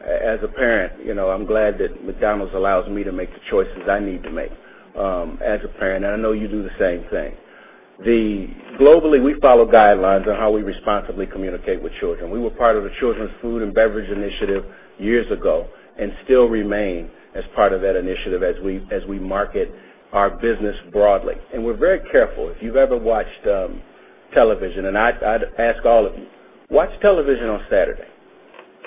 as a parent, I'm glad that McDonald’s allows me to make the choices I need to make as a parent, I know you do the same thing. Globally, we follow guidelines on how we responsibly communicate with children. We were part of the Children's Food and Beverage Advertising Initiative years ago and still remain as part of that initiative as we market our business broadly, we're very careful. If you've ever watched television, I'd ask all of you, watch television on Saturday.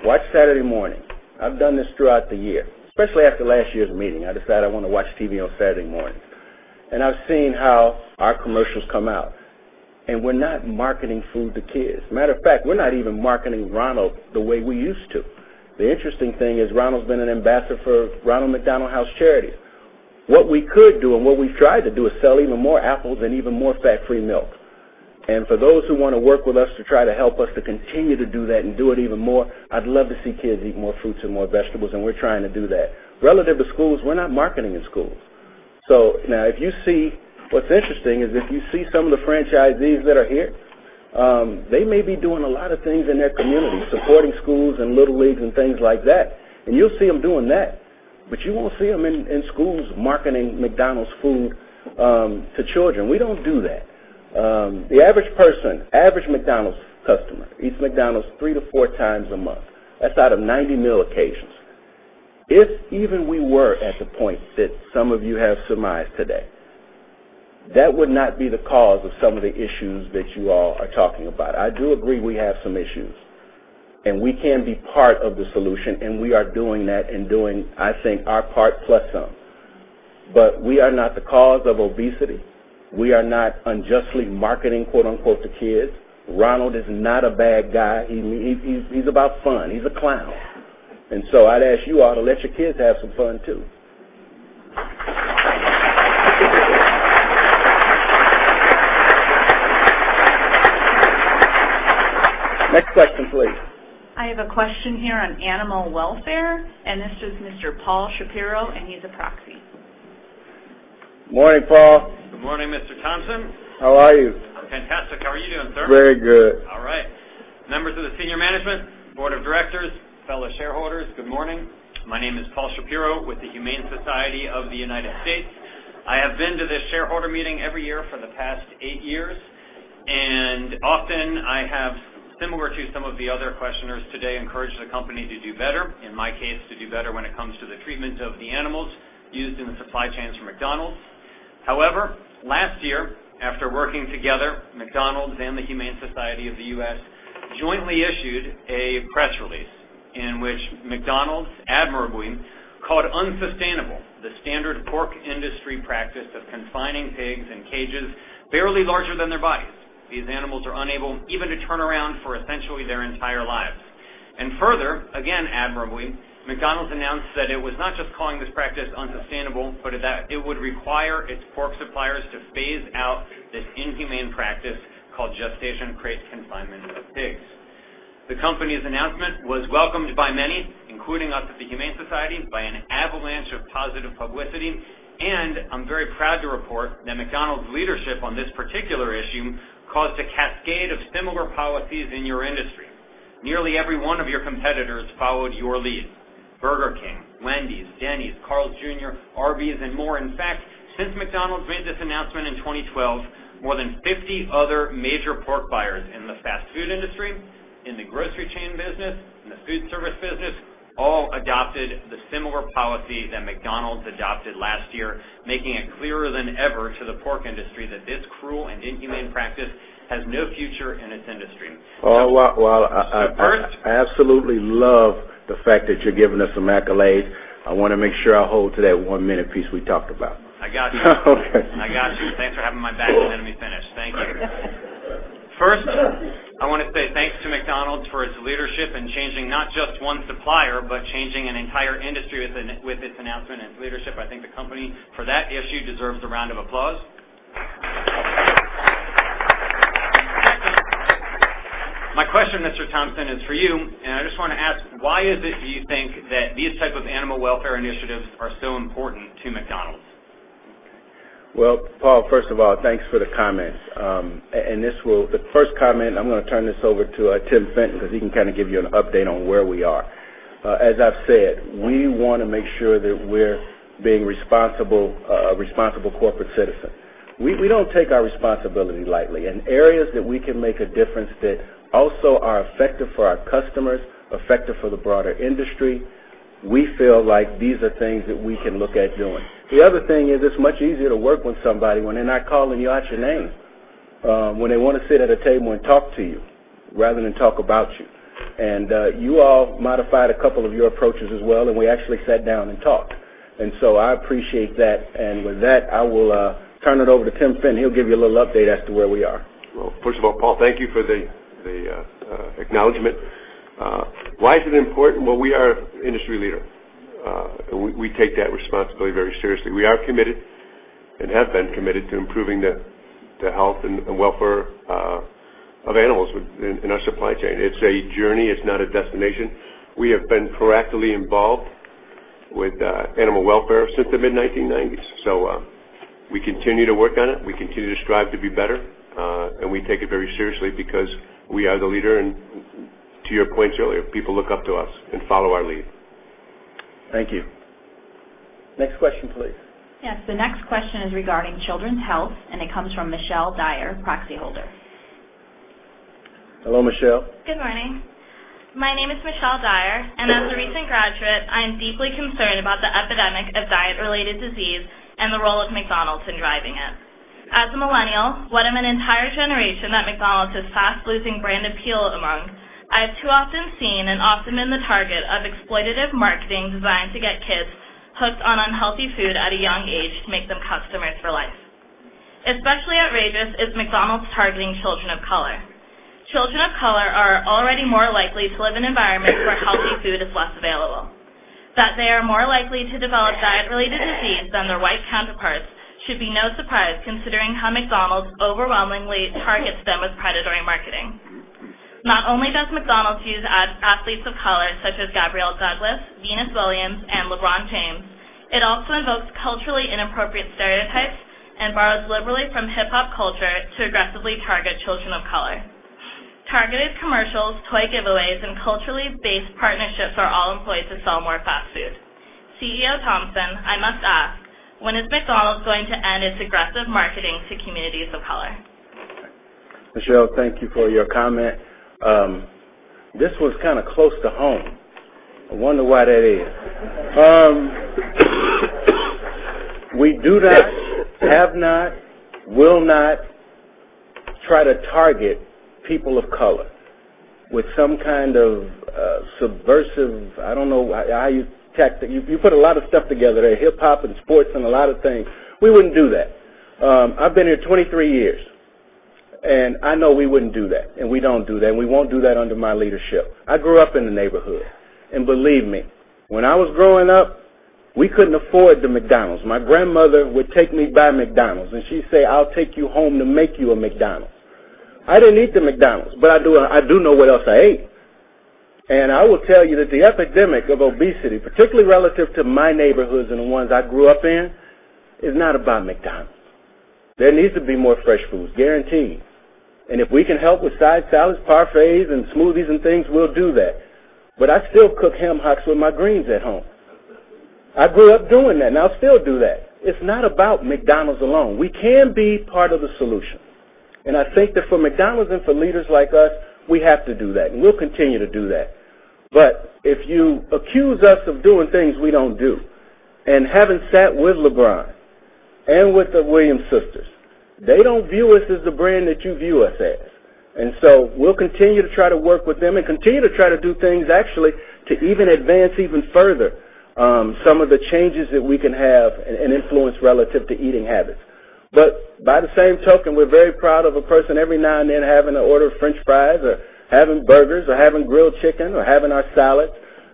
Watch Saturday morning. I've done this throughout the year. Especially after last year's meeting, I decided I want to watch TV on Saturday mornings, I've seen how our commercials come out, we're not marketing food to kids. Matter of fact, we're not even marketing Ronald the way we used to. The interesting thing is Ronald's been an ambassador for Ronald McDonald House Charities. What we could do and what we've tried to do is sell even more apples and even more fat-free milk. For those who want to work with us to try to help us to continue to do that and do it even more, I'd love to see kids eat more fruits and more vegetables, we're trying to do that. Relative to schools, we're not marketing in schools. What's interesting is if you see some of the franchisees that are here, they may be doing a lot of things in their community, supporting schools and little leagues and things like that, and you'll see them doing that, but you won't see them in schools marketing McDonald’s food to children. We don't do that. The average person, average McDonald’s customer, eats McDonald's three to four times a month. That's out of 90 meal occasions. If even we were at the point that some of you have surmised today, that would not be the cause of some of the issues that you all are talking about. I do agree we have some issues, and we can be part of the solution, and we are doing that and doing, I think, our part plus some. We are not the cause of obesity. We are not unjustly marketing, quote unquote, "to kids". Ronald is not a bad guy. He's about fun. He's a clown. I'd ask you all to let your kids have some fun, too. Next question, please. I have a question here on animal welfare, and this is Mr. Paul Shapiro, and he's a proxy. Morning, Paul. Good morning, Mr. Thompson. How are you? I'm fantastic. How are you doing, sir? Very good. All right. Members of the senior management, board of directors, fellow shareholders, good morning. My name is Paul Shapiro with the Humane Society of the United States. I have been to this shareholder meeting every year for the past eight years, and often I have, similar to some of the other questioners today, encouraged the company to do better, in my case, to do better when it comes to the treatment of the animals used in the supply chains for McDonald's. However, last year, after working together, McDonald's and the Humane Society of the U.S. jointly issued a press release in which McDonald's admirably called unsustainable the standard pork industry practice of confining pigs in cages barely larger than their bodies. These animals are unable even to turn around for essentially their entire lives. Further, again admirably, McDonald's announced that it was not just calling this practice unsustainable, but that it would require its pork suppliers to phase out this inhumane practice called gestation crate confinement of pigs. The company's announcement was welcomed by many, including us at the Humane Society, by an avalanche of positive publicity. I'm very proud to report that McDonald's leadership on this particular issue caused a cascade of similar policies in your industry. Nearly every one of your competitors followed your lead, Burger King, Wendy's, Denny's, Carl's Jr., Arby's, and more. In fact, since McDonald's made this announcement in 2012, more than 50 other major pork buyers in the fast food industry, in the grocery chain business, in the food service business, all adopted the similar policy that McDonald's adopted last year, making it clearer than ever to the pork industry that this cruel and inhumane practice has no future in its industry. Oh, well. First- I absolutely love the fact that you're giving us some accolades. I want to make sure I hold to that one-minute piece we talked about. I got you. I got you. Thanks for having my back and letting me finish. Thank you. Right. I want to say thanks to McDonald's for its leadership in changing not just one supplier, but changing an entire industry with its announcement and leadership. I think the company, for that issue, deserves a round of applause. My question, Mr. Thompson, is for you, and I just want to ask, why is it, do you think, that these type of animal welfare initiatives are so important to McDonald's? Well, Paul, first of all, thanks for the comments. The first comment, I'm going to turn this over to Tim Fenton because he can kind of give you an update on where we are. As I've said, we want to make sure that we're being responsible corporate citizen. We don't take our responsibility lightly. In areas that we can make a difference that also are effective for our customers, effective for the broader industry, we feel like these are things that we can look at doing. The other thing is it's much easier to work with somebody when they're not calling you out your name, when they want to sit at a table and talk to you rather than talk about you. You all modified a couple of your approaches as well, and we actually sat down and talked. So I appreciate that. With that, I will turn it over to Tim Fenton. He'll give you a little update as to where we are. Well, first of all, Paul, thank you for the acknowledgement. Why is it important? Well, we are industry leader. We take that responsibility very seriously. We are committed and have been committed to improving the health and welfare of animals in our supply chain. It's a journey. It's not a destination. We have been proactively involved with animal welfare since the mid 1990s. We continue to work on it. We continue to strive to be better. We take it very seriously because we are the leader, and to your point earlier, people look up to us and follow our lead. Thank you. Next question, please. The next question is regarding children's health, and it comes from Michelle Dyer, proxy holder. Hello, Michelle. Good morning. My name is Michelle Dyer. As a recent graduate, I am deeply concerned about the epidemic of diet-related disease and the role of McDonald's in driving it. As a millennial, one of an entire generation that McDonald's is fast losing brand appeal among, I have too often seen and often been the target of exploitative marketing designed to get kids hooked on unhealthy food at a young age to make them customers for life. Especially outrageous is McDonald's targeting children of color. Children of color are already more likely to live in environments where healthy food is less available. That they are more likely to develop diet-related disease than their white counterparts should be no surprise, considering how McDonald's overwhelmingly targets them with predatory marketing. Not only does McDonald's use athletes of color, such as Gabby Douglas, Venus Williams, and LeBron James, it also invokes culturally inappropriate stereotypes and borrows liberally from hip hop culture to aggressively target children of color. Targeted commercials, toy giveaways, and culturally based partnerships are all employed to sell more fast food. CEO Thompson, I must ask, when is McDonald's going to end its aggressive marketing to communities of color? Michelle, thank you for your comment. This one's kind of close to home. I wonder why that is. We do not, have not, will not try to target people of color with some kind of subversive, I don't know, you put a lot of stuff together there, hip hop and sports and a lot of things. We wouldn't do that. I've been here 23 years. I know we wouldn't do that, and we don't do that, and we won't do that under my leadership. I grew up in the neighborhood. Believe me, when I was growing up, we couldn't afford the McDonald's. My grandmother would take me by McDonald's, and she'd say, "I'll take you home to make you a McDonald's." I didn't eat the McDonald's. I do know what else I ate. I will tell you that the epidemic of obesity, particularly relative to my neighborhoods and the ones I grew up in, is not about McDonald's. There needs to be more fresh foods, guaranteed. If we can help with side salads, parfaits, and smoothies and things, we'll do that. I still cook ham hocks with my greens at home. I grew up doing that. I still do that. It's not about McDonald's alone. We can be part of the solution. I think that for McDonald's and for leaders like us, we have to do that. We'll continue to do that. If you accuse us of doing things we don't do, having sat with LeBron and with the Williams sisters, they don't view us as the brand that you view us as. We'll continue to try to work with them and continue to try to do things actually to even advance even further some of the changes that we can have and influence relative to eating habits. By the same token, we're very proud of a person every now and then having to order French fries or having burgers or having grilled chicken or having our salad.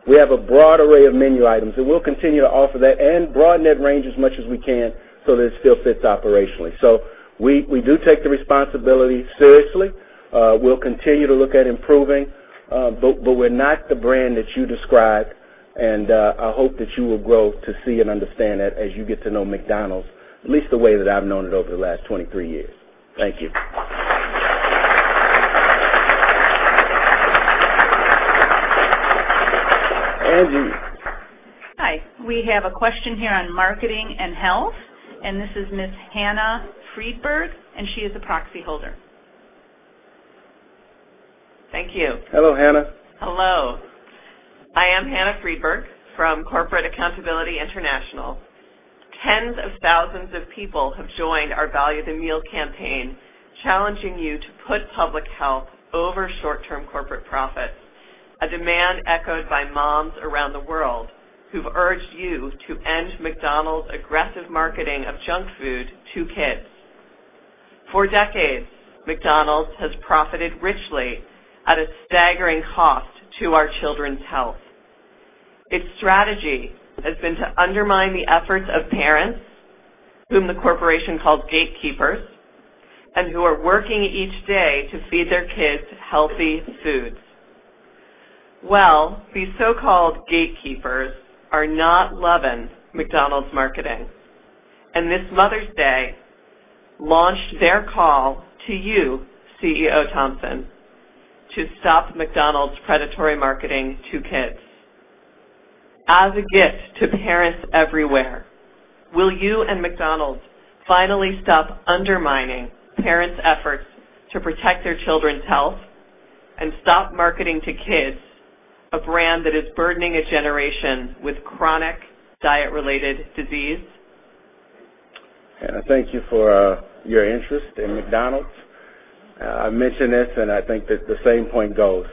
We have a broad array of menu items, and we'll continue to offer that and broaden that range as much as we can so that it still fits operationally. We do take the responsibility seriously. We'll continue to look at improving. We're not the brand that you described, and I hope that you will grow to see and understand that as you get to know McDonald's, at least the way that I've known it over the last 23 years. Thank you. Angie. Hi. We have a question here on marketing and health, and this is Ms. Hannah Freedberg, and she is a proxy holder. Thank you. Hello, Hannah. Hello. I am Hannah Freedberg from Corporate Accountability International. Tens of thousands of people have joined our Value the Meal campaign, challenging you to put public health over short-term corporate profits, a demand echoed by moms around the world who've urged you to end McDonald's aggressive marketing of junk food to kids. For decades, McDonald's has profited richly at a staggering cost to our children's health. Its strategy has been to undermine the efforts of parents, whom the corporation called gatekeepers, and who are working each day to feed their kids healthy foods. Well, these so-called gatekeepers are not loving McDonald's marketing. This Mother's Day launched their call to you, CEO Thompson, to stop McDonald's predatory marketing to kids. As a gift to parents everywhere, will you and McDonald's finally stop undermining parents' efforts to protect their children's health and stop marketing to kids a brand that is burdening a generation with chronic diet-related disease? Hannah, thank you for your interest in McDonald's. I mentioned this. I think that the same point goes.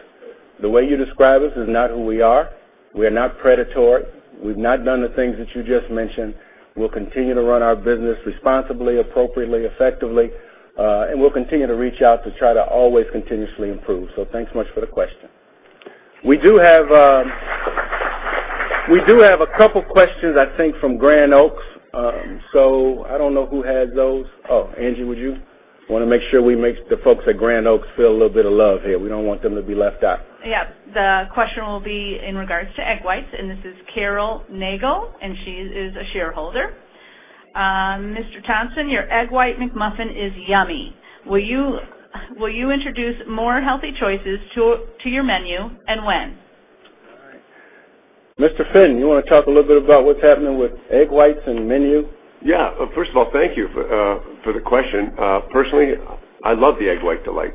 The way you describe us is not who we are. We are not predatory. We've not done the things that you just mentioned. We'll continue to run our business responsibly, appropriately, effectively. We'll continue to reach out to try to always continuously improve. Thanks much for the question. We do have a couple questions, I think, from Grand Oaks. I don't know who has those. Oh, Angie, would you? Want to make sure we make the folks at Grand Oaks feel a little bit of love here. We don't want them to be left out. Yeah. The question will be in regards to egg whites, and this is Carol Nagle, and she is a shareholder. "Mr. Thompson, your egg white McMuffin is yummy. Will you introduce more healthy choices to your menu, and when? All right. Tim Fenton, you want to talk a little bit about what's happening with egg whites and menu? Yeah. First of all, thank you for the question. Personally, I love the egg white Delight.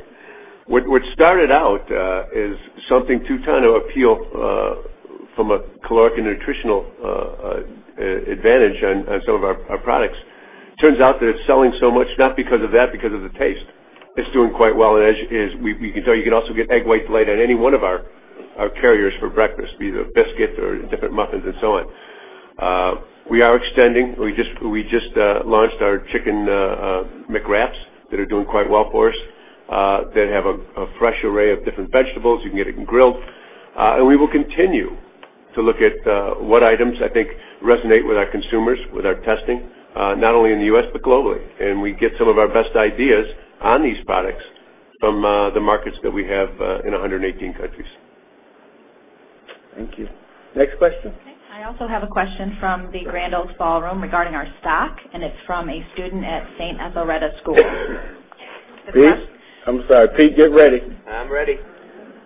What started out as something to try to appeal from a caloric and nutritional advantage on some of our products, turns out that it's selling so much, not because of that, because of the taste. It's doing quite well, and as you can tell, you can also get egg white Delight at any one of our carriers for breakfast, be it a biscuit or different muffins and so on. We are extending. We just launched our chicken McWraps that are doing quite well for us, that have a fresh array of different vegetables. You can get it in grilled. We will continue to look at what items I think resonate with our consumers, with our testing, not only in the U.S. but globally. We get some of our best ideas on these products from the markets that we have in 118 countries. Thank you. Next question. Okay. I also have a question from the Grand Oaks Ballroom regarding our stock, and it's from a student at St. Ethelreda School. Pete. I'm sorry, Pete, get ready. I'm ready.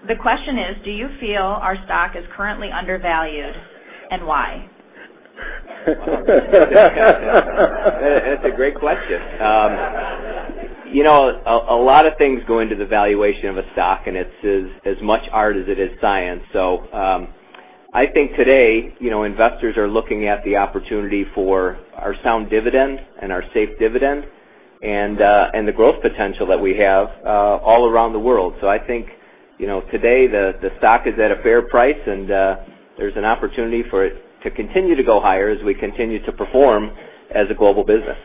The question is: Do you feel our stock is currently undervalued, and why? That's a great question. A lot of things go into the valuation of a stock, it's as much art as it is science. I think today, investors are looking at the opportunity for our sound dividend and our safe dividend and the growth potential that we have all around the world. I think today the stock is at a fair price, and there's an opportunity for it to continue to go higher as we continue to perform as a global business.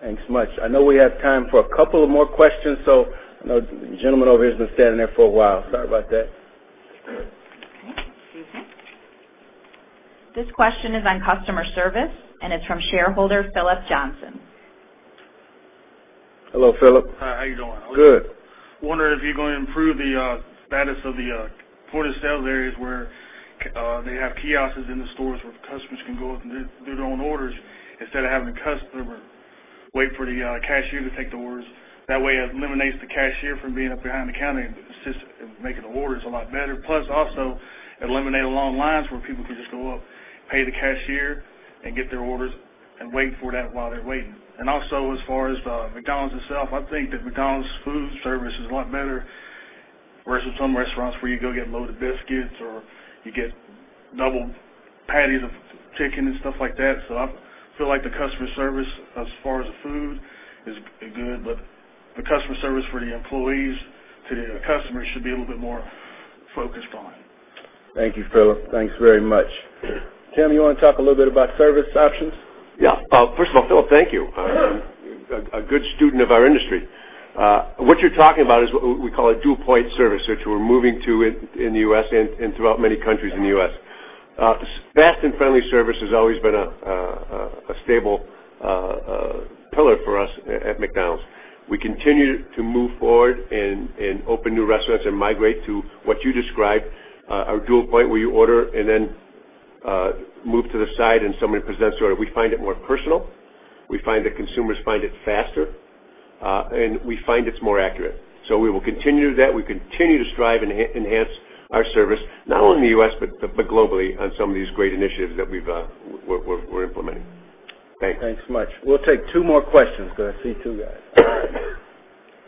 Thanks much. I know we have time for a couple of more questions, I know the gentleman over here has been standing there for a while. Sorry about that. Okay. Excuse me. This question is on customer service, it's from shareholder Philip Johnson. Hello, Philip. Hi, how you doing? Good. Wondering if you're going to improve the status of the point-of-sale areas where they have kiosks in the stores where customers can go up and do their own orders instead of having the customer wait for the cashier to take the orders. That way, it eliminates the cashier from being up behind the counter and making the orders a lot better. Also, eliminate long lines where people can just go up, pay the cashier and get their orders and wait for that while they're waiting. Also, as far as McDonald's itself, I think that McDonald's food service is a lot better versus some restaurants where you go get loaded biscuits, or you get double patties of chicken and stuff like that. I feel like the customer service as far as the food is good. The customer service for the employees to the customers should be a little bit more focused on. Thank you, Philip. Thanks very much. Tim, you want to talk a little bit about service options? Yeah. First of all, Philip, thank you. Yeah. A good student of our industry. What you're talking about is what we call a dual point service, which we're moving to in the U.S. and throughout many countries in the U.S. Fast and friendly service has always been a stable pillar for us at McDonald's. We continue to move forward and open new restaurants and migrate to what you described, our dual point, where you order and then move to the side, and somebody presents it. We find it more personal. We find that consumers find it faster. We find it's more accurate. We will continue that. We continue to strive and enhance our service, not only in the U.S. but globally on some of these great initiatives that we're implementing. Thanks. Thanks much. We'll take two more questions because I see two guys.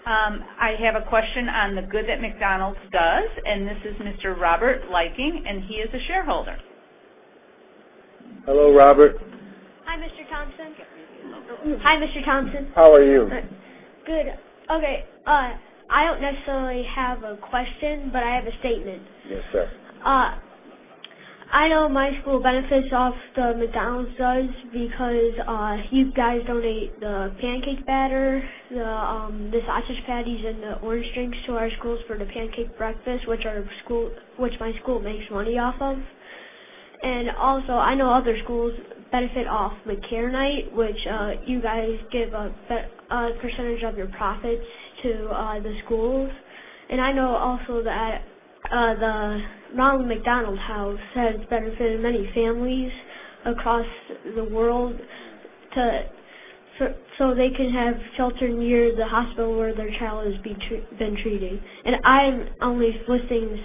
I have a question on the good that McDonald's does, and this is Mr. Robert Liking, and he is a shareholder. Hello, Robert. Hi, Mr. Thompson. How are you? Good. Okay. I don't necessarily have a question, but I have a statement. Yes, sir. I know my school benefits off the McDonald's does because you guys donate the pancake batter, the sausage patties, and the orange drinks to our schools for the pancake breakfast, which my school makes money off of. Also, I know other schools benefit off McTeacher's Night, which you guys give a percentage of your profits to the schools. I know also that the Ronald McDonald House has benefited many families across the world so they can have shelter near the hospital where their child has been treating. I'm only listing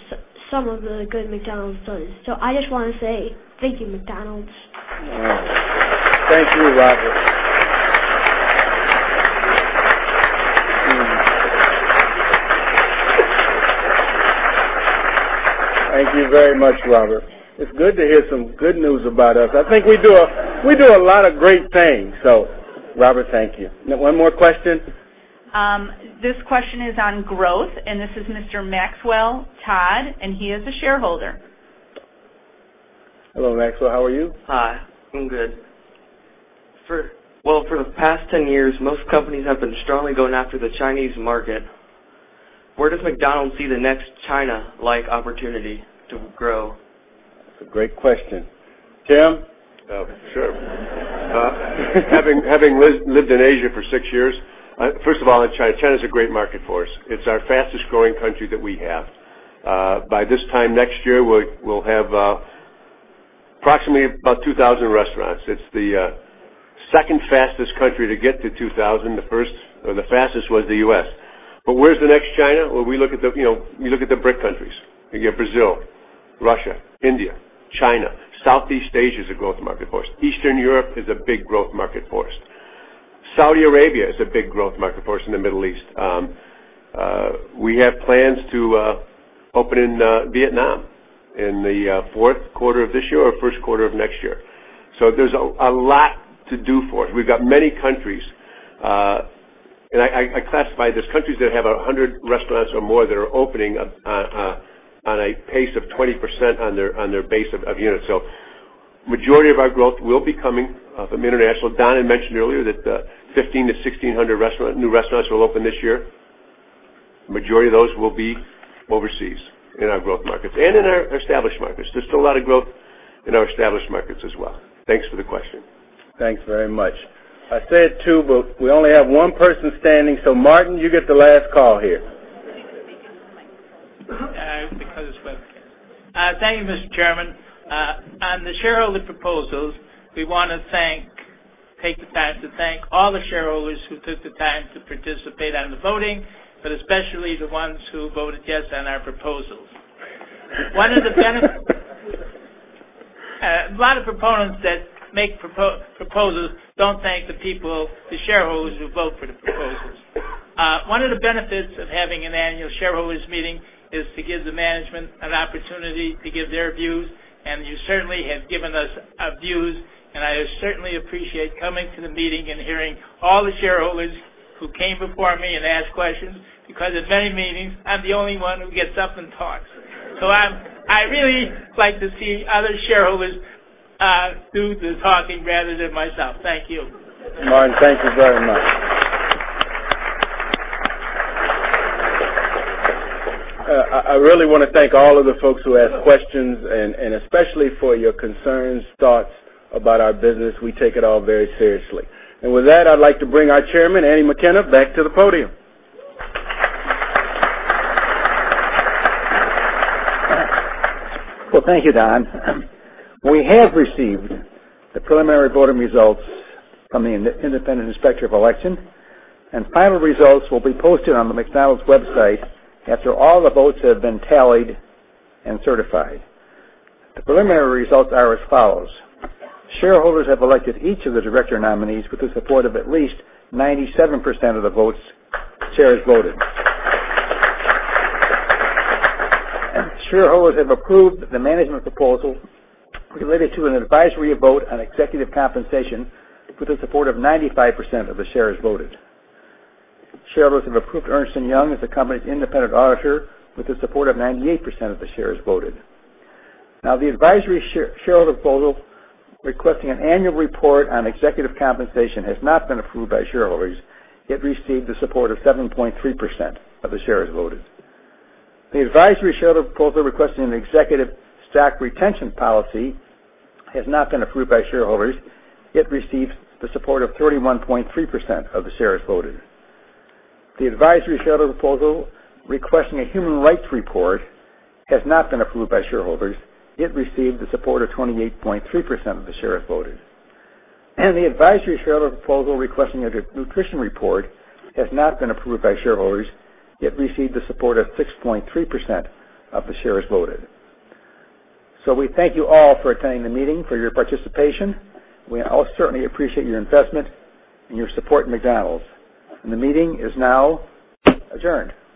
some of the good McDonald's does. I just want to say thank you, McDonald's. Thank you, Robert. Thank you very much, Robert. It's good to hear some good news about us. I think we do a lot of great things. Robert, thank you. One more question. This question is on growth, and this is Mr. Maxwell Todd, and he is a shareholder. Hello, Maxwell. How are you? Hi. I'm good. Well, for the past 10 years, most companies have been strongly going after the Chinese market. Where does McDonald's see the next China-like opportunity to grow? That's a great question. Tim? Oh, sure. Having lived in Asia for six years. First of all, China's a great market for us. It's our fastest-growing country that we have. By this time next year, we'll have approximately about 2,000 restaurants. It's the second fastest country to get to 2,000. The first or the fastest was the U.S. Where's the next China? Well, we look at the BRIC countries. You get Brazil, Russia, India, China. Southeast Asia is a growth market for us. Eastern Europe is a big growth market for us. Saudi Arabia is a big growth market for us in the Middle East. We have plans to open in Vietnam in the fourth quarter of this year or first quarter of next year. There's a lot to do for us. We've got many countries. I classify this, countries that have 100 restaurants or more that are opening on a pace of 20% on their base of units. Majority of our growth will be coming from international. Don had mentioned earlier that 1,500 to 1,600 new restaurants will open this year. Majority of those will be overseas in our growth markets and in our established markets. There's still a lot of growth in our established markets as well. Thanks for the question. Thanks very much. I said two, we only have one person standing. Martin, you get the last call here. Thank you, Mr. Chairman. On the shareholder proposals, we want to take the time to thank all the shareholders who took the time to participate on the voting, especially the ones who voted yes on our proposals. A lot of proponents that make proposals don't thank the people, the shareholders, who vote for the proposals. One of the benefits of having an annual shareholders meeting is to give the management an opportunity to give their views. You certainly have given us views, and I certainly appreciate coming to the meeting and hearing all the shareholders who came before me and asked questions because at many meetings, I'm the only one who gets up and talks. I really like to see other shareholders do the talking rather than myself. Thank you. Martin, thank you very much. I really want to thank all of the folks who asked questions, and especially for your concerns, thoughts about our business. We take it all very seriously. With that, I'd like to bring our Chairman, Andy McKenna, back to the podium. Well, thank you, Don. We have received the preliminary voting results from the independent inspector of election, final results will be posted on the McDonald's website after all the votes have been tallied and certified. The preliminary results are as follows. Shareholders have elected each of the director nominees with the support of at least 97% of the votes shares voted. Shareholders have approved the management proposal related to an advisory vote on executive compensation with the support of 95% of the shares voted. Shareholders have approved Ernst & Young as the company's independent auditor with the support of 98% of the shares voted. The advisory shareholder proposal requesting an annual report on executive compensation has not been approved by shareholders. It received the support of 7.3% of the shares voted. The advisory shareholder proposal requesting an executive stock retention policy has not been approved by shareholders. It received the support of 31.3% of the shares voted. The advisory shareholder proposal requesting a human rights report has not been approved by shareholders. It received the support of 28.3% of the shares voted. The advisory shareholder proposal requesting a nutrition report has not been approved by shareholders. It received the support of 6.3% of the shares voted. We thank you all for attending the meeting, for your participation. We all certainly appreciate your investment and your support in McDonald's, the meeting is now adjourned.